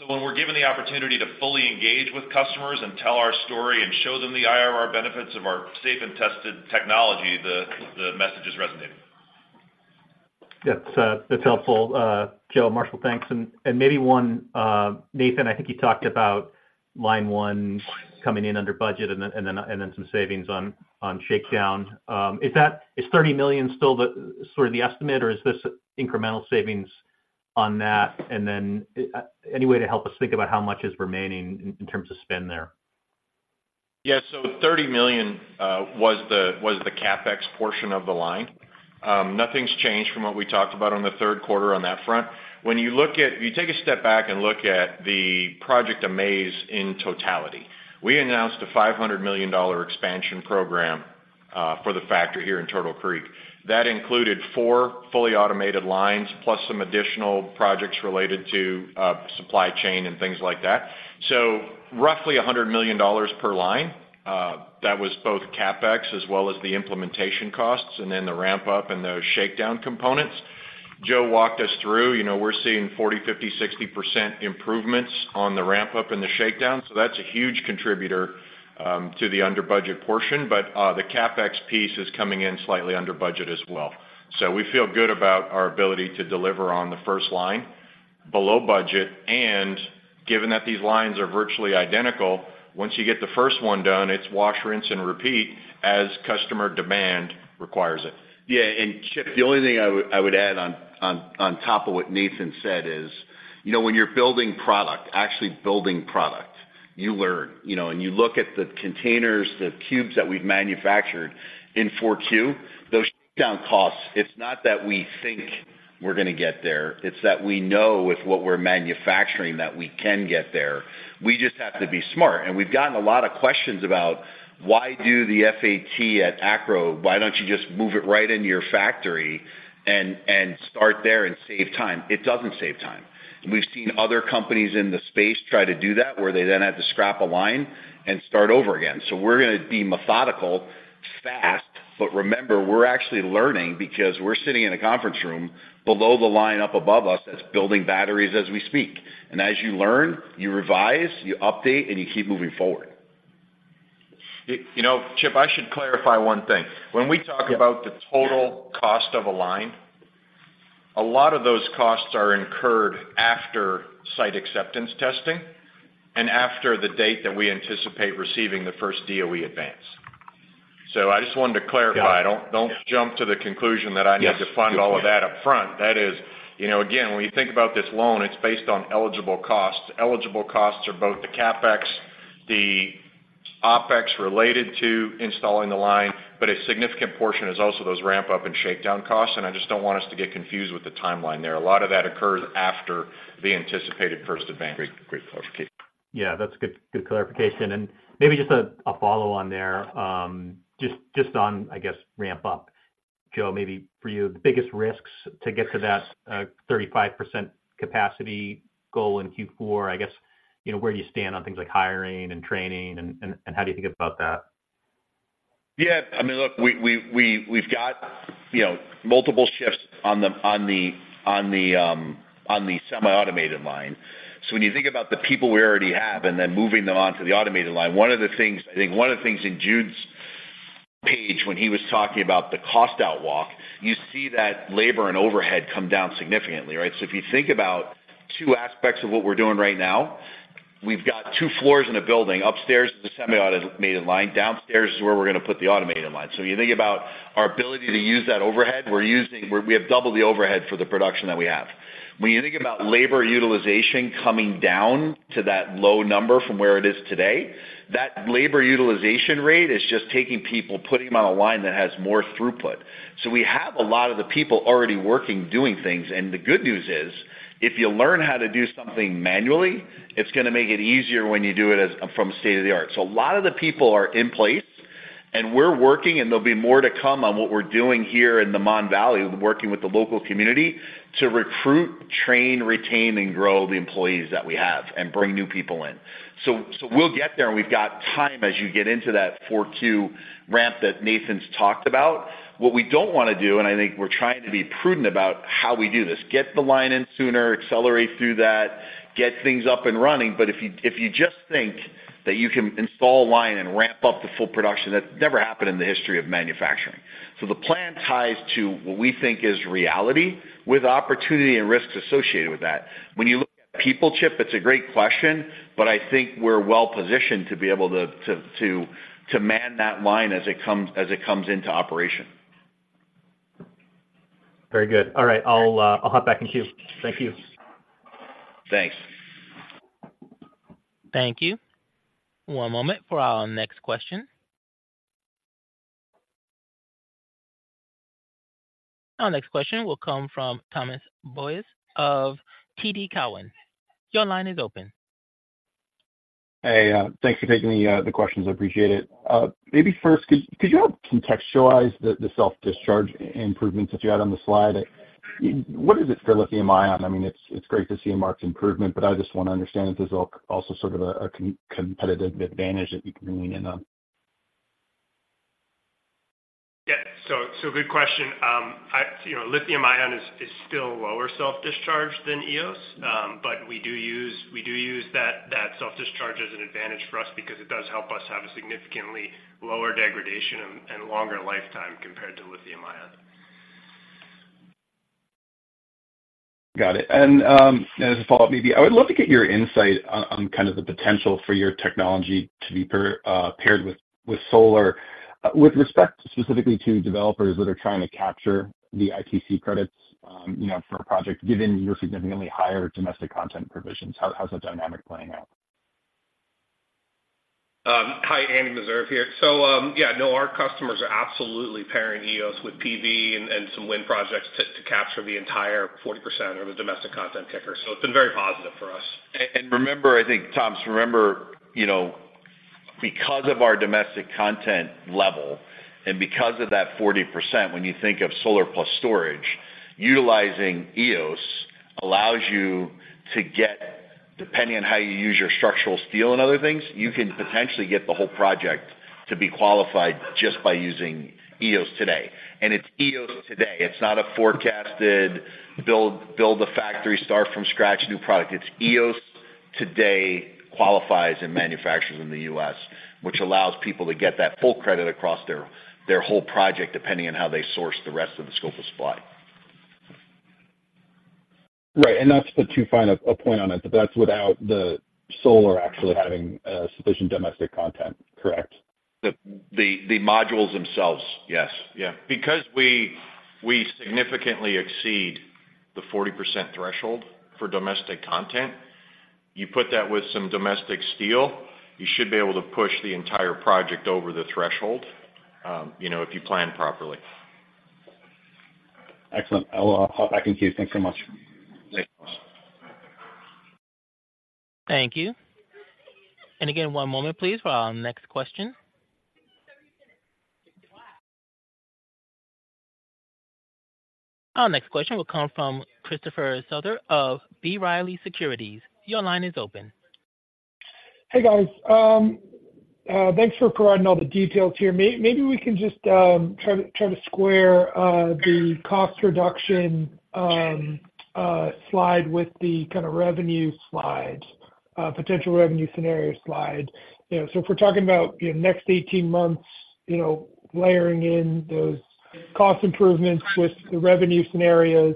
So when we're given the opportunity to fully engage with customers and tell our story and show them the IRR benefits of our safe and tested technology, the message is resonating. Yes, that's helpful, Joe, Marshall, thanks. And maybe 1, Nathan, I think you talked about line 1 coming in under budget and then some savings on shakedown. Is that - is $30 million still the sort of the estimate, or is this incremental savings on that? And then any way to help us think about how much is remaining in terms of spend there? Yeah, so $30 million was the CapEx portion of the line. Nothing's changed from what we talked about on the third quarter on that front. When you look at if you take a step back and look at the Project AMAZE in totality, we announced a $500 million expansion program for the factory here in Turtle Creek. That included four fully automated lines, plus some additional projects related to supply chain and things like that. So roughly $100 million per line, that was both CapEx as well as the implementation costs, and then the ramp-up and those shakedown components. Joe walked us through, you know, we're seeing 40%, 50%, 60% improvements on the ramp-up and the shakedown, so that's a huge contributor to the under budget portion. But, the CapEx piece is coming in slightly under budget as well. So we feel good about our ability to deliver on the first line below budget, and given that these lines are virtually identical, once you get the first one done, it's wash, rinse, and repeat, as customer demand requires it. Yeah, and Chip, the only thing I would add on top of what Nathan said is, you know, when you're building product, actually building product, you learn. You know, and you look at the containers, the cubes that we've manufactured in 4Q, those down costs. It's not that we think we're gonna get there; it's that we know with what we're manufacturing that we can get there. We just have to be smart. And we've gotten a lot of questions about: Why do the FAT at ACRO? Why don't you just move it right into your factory and start there and save time? It doesn't save time. And we've seen other companies in the space try to do that, where they then had to scrap a line and start over again. We're gonna be methodical, fast, but remember, we're actually learning because we're sitting in a conference room below the line-up above us, that's building batteries as we speak. As you learn, you revise, you update, and you keep moving forward. You know, Chip, I should clarify one thing. When we talk about the total cost of a line, a lot of those costs are incurred after site acceptance testing and after the date that we anticipate receiving the first DOE advance. So I just wanted to clarify. Yeah. Don't jump to the conclusion that I need- Yes... to fund all of that upfront. That is, you know, again, when you think about this loan, it's based on eligible costs. Eligible costs are both the CapEx, the OpEx related to installing the line, but a significant portion is also those ramp-up and shakedown costs, and I just don't want us to get confused with the timeline there. A lot of that occurs after the anticipated first advance. Great. Great clarification. Yeah, that's good, good clarification. Maybe just a follow on there, just on, I guess, ramp-up. Joe, maybe for you, the biggest risks to get to that 35% capacity goal in Q4, I guess, you know, where do you stand on things like hiring and training, and how do you think about that? Yeah, I mean, look, we've got, you know, multiple shifts on the semi-automated line. So when you think about the people we already have, and then moving them onto the automated line, one of the things, I think one of the things in Jude's page when he was talking about the cost out walk, you see that labor and overhead come down significantly, right? So if you think about two aspects of what we're doing right now, we've got two floors in a building. Upstairs is the semi-automated line, downstairs is where we're gonna put the automated line. So you think about our ability to use that overhead, we have doubled the overhead for the production that we have. When you think about labor utilization coming down to that low number from where it is today, that labor utilization rate is just taking people, putting them on a line that has more throughput. So we have a lot of the people already working, doing things, and the good news is, if you learn how to do something manually, it's gonna make it easier when you do it as from state-of-the-art. So a lot of the people are in place, and we're working, and there'll be more to come on what we're doing here in the Mon Valley, working with the local community to recruit, train, retain, and grow the employees that we have and bring new people in. So, so we'll get there, and we've got time as you get into that 4Q ramp that Nathan's talked about. What we don't wanna do, and I think we're trying to be prudent about how we do this, get the line in sooner, accelerate through that, get things up and running. But if you, if you just think that you can install a line and ramp up to full production, that's never happened in the history of manufacturing. So the plan ties to what we think is reality, with opportunity and risks associated with that. When you look at... people, Chip, it's a great question, but I think we're well positioned to be able to, to, to, to man that line as it comes, as it comes into operation. Very good. All right, I'll hop back in queue. Thank you. Thanks. Thank you. One moment for our next question. Our next question will come from Thomas Boyes of TD Cowen. Your line is open. Hey, thanks for taking the questions. I appreciate it. Maybe first, could you help contextualize the self-discharge improvements that you had on the slide? What is it for lithium-ion? I mean, it's great to see a marked improvement, but I just want to understand if there's also sort of a competitive advantage that you can lean in on. Yeah. So, good question. You know, lithium-ion is still lower self-discharge than Eos. But we do use that self-discharge as an advantage for us because it does help us have a significantly lower degradation and longer lifetime compared to lithium-ion. Got it. As a follow-up, maybe I would love to get your insight on, on kind of the potential for your technology to be paired with, with solar. With respect specifically to developers that are trying to capture the ITC credits, you know, for a project, given your significantly higher domestic content provisions, how, how's that dynamic playing out? Hi, Andy Meserve here. So, yeah, no, our customers are absolutely pairing Eos with PV and, and some wind projects to, to capture the entire 40% of the domestic content kicker. So it's been very positive for us. Remember, I think, Thomas, remember, you know, because of our domestic content level and because of that 40%, when you think of solar plus storage, utilizing Eos allows you to get... Depending on how you use your structural steel and other things, you can potentially get the whole project to be qualified just by using Eos today, and it's Eos today. It's not a forecasted build a factory, start from scratch, new product. It's Eos today qualifies and manufactures in the U.S., which allows people to get that full credit across their whole project, depending on how they source the rest of the scope of supply. Right, and that's the to find a point on it, but that's without the solar actually having sufficient domestic content, correct? The modules themselves, yes. Yeah. Because we significantly exceed the 40% threshold for domestic content, you put that with some domestic steel, you should be able to push the entire project over the threshold, you know, if you plan properly. Excellent. I'll hop back in queue. Thanks so much. Thanks. Thank you. Again, one moment, please, for our next question. Our next question will come from Christopher Souther of B. Riley Securities. Your line is open. Hey, guys. Thanks for providing all the details here. Maybe we can just try to square the cost reduction slide with the kind of revenue slide, potential revenue scenario slide. You know, so if we're talking about, you know, next 18 months, you know, layering in those cost improvements with the revenue scenarios,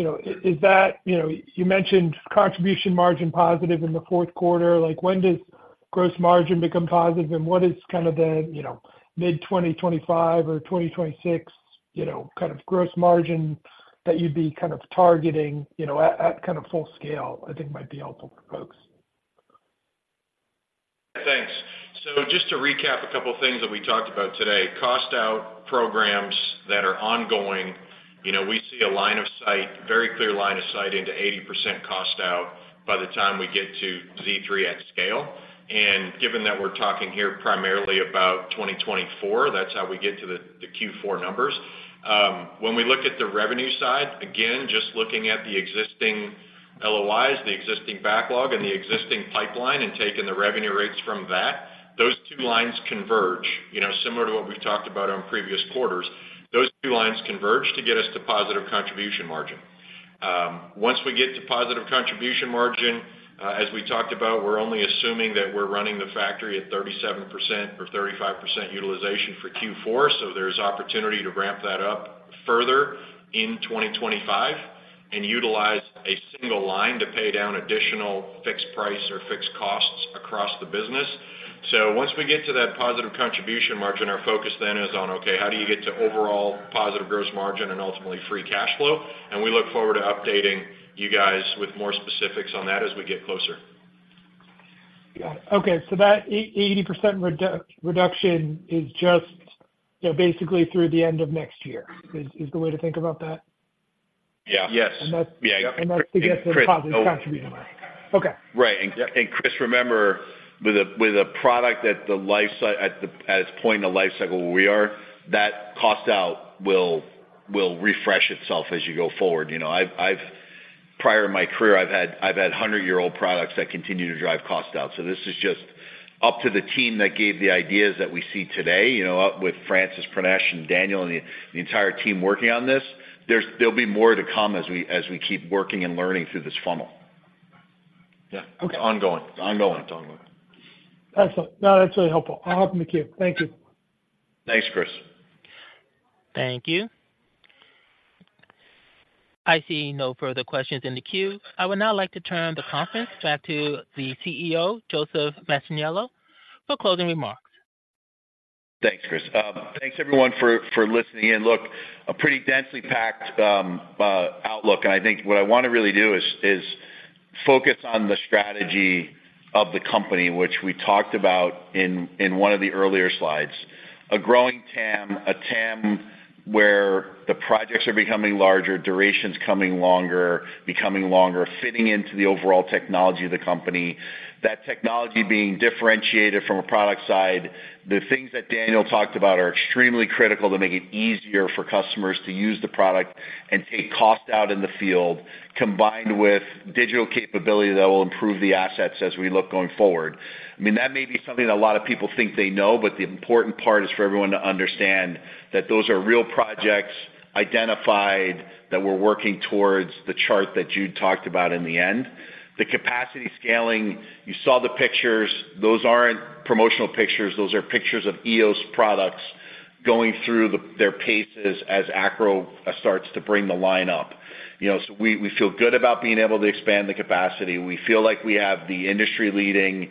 you know, is that—you know, you mentioned contribution margin positive in the fourth quarter. Like, when does gross margin become positive, and what is kind of the, you know, mid-2025 or 2026, you know, kind of gross margin that you'd be kind of targeting, you know, at, at kind of full scale, I think might be helpful for folks. Thanks. So just to recap a couple of things that we talked about today: cost out programs that are ongoing, you know, we see a line of sight, very clear line of sight into 80% cost out by the time we get to Z3 at scale. And given that we're talking here primarily about 2024, that's how we get to the Q4 numbers. When we look at the revenue side, again, just looking at the existing LOIs, the existing backlog, and the existing pipeline, and taking the revenue rates from that, those two lines converge. You know, similar to what we've talked about on previous quarters, those two lines converge to get us to positive contribution margin. Once we get to positive contribution margin, as we talked about, we're only assuming that we're running the factory at 37% or 35% utilization for Q4, so there's opportunity to ramp that up further in 2025 and utilize a single line to pay down additional fixed price or fixed costs across the business. So once we get to that positive contribution margin, our focus then is on, okay, how do you get to overall positive gross margin and ultimately free cash flow? And we look forward to updating you guys with more specifics on that as we get closer. Got it. Okay, so that 80% reduction is just, you know, basically through the end of next year, is the way to think about that? Yeah. Yes. And that's- Yeah. That's to get the positive contribution. Okay. Right. And Chris, remember, with a product that the life cycle—at its point in the life cycle where we are, that cost out will refresh itself as you go forward. You know, prior in my career, I've had hundred-year-old products that continue to drive costs out. So this is just up to the team that gave the ideas that we see today, you know, up with Francis, Pranesh, and Daniel, and the entire team working on this. There'll be more to come as we keep working and learning through this funnel. Yeah. Okay. Ongoing. Ongoing, ongoing. Excellent. No, that's really helpful. I'll hop in the queue. Thank you. Thanks, Chris. Thank you. I see no further questions in the queue. I would now like to turn the conference back to the CEO, Joseph Mastrangelo, for closing remarks. Thanks, Chris. Thanks everyone for listening in. Look, a pretty densely packed outlook, and I think what I want to really do is focus on the strategy of the company, which we talked about in one of the earlier slides. A growing TAM, a TAM where the projects are becoming larger, durations coming longer, becoming longer, fitting into the overall technology of the company, that technology being differentiated from a product side. The things that Daniel talked about are extremely critical to make it easier for customers to use the product and take cost out in the field, combined with digital capability that will improve the assets as we look going forward. I mean, that may be something that a lot of people think they know, but the important part is for everyone to understand that those are real projects identified, that we're working towards the chart that Jude talked about in the end. The capacity scaling, you saw the pictures. Those aren't promotional pictures. Those are pictures of Eos products going through their paces as ACRO starts to bring the line up. You know, so we feel good about being able to expand the capacity. We feel like we have the industry-leading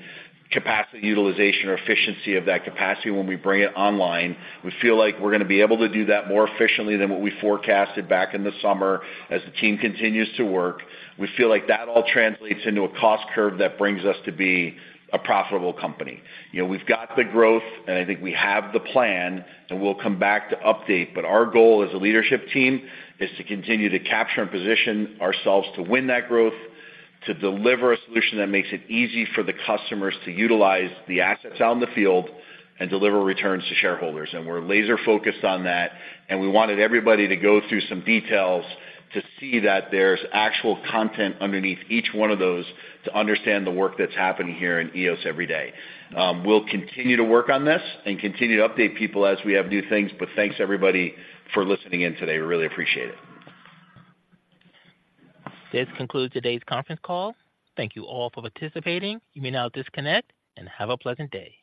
capacity utilization or efficiency of that capacity when we bring it online. We feel like we're going to be able to do that more efficiently than what we forecasted back in the summer as the team continues to work. We feel like that all translates into a cost curve that brings us to be a profitable company. You know, we've got the growth, and I think we have the plan, and we'll come back to update. But our goal as a leadership team is to continue to capture and position ourselves to win that growth, to deliver a solution that makes it easy for the customers to utilize the assets out in the field and deliver returns to shareholders. And we're laser focused on that, and we wanted everybody to go through some details to see that there's actual content underneath each one of those, to understand the work that's happening here in Eos every day. We'll continue to work on this and continue to update people as we have new things, but thanks everybody for listening in today. We really appreciate it. This concludes today's conference call. Thank you all for participating. You may now disconnect and have a pleasant day.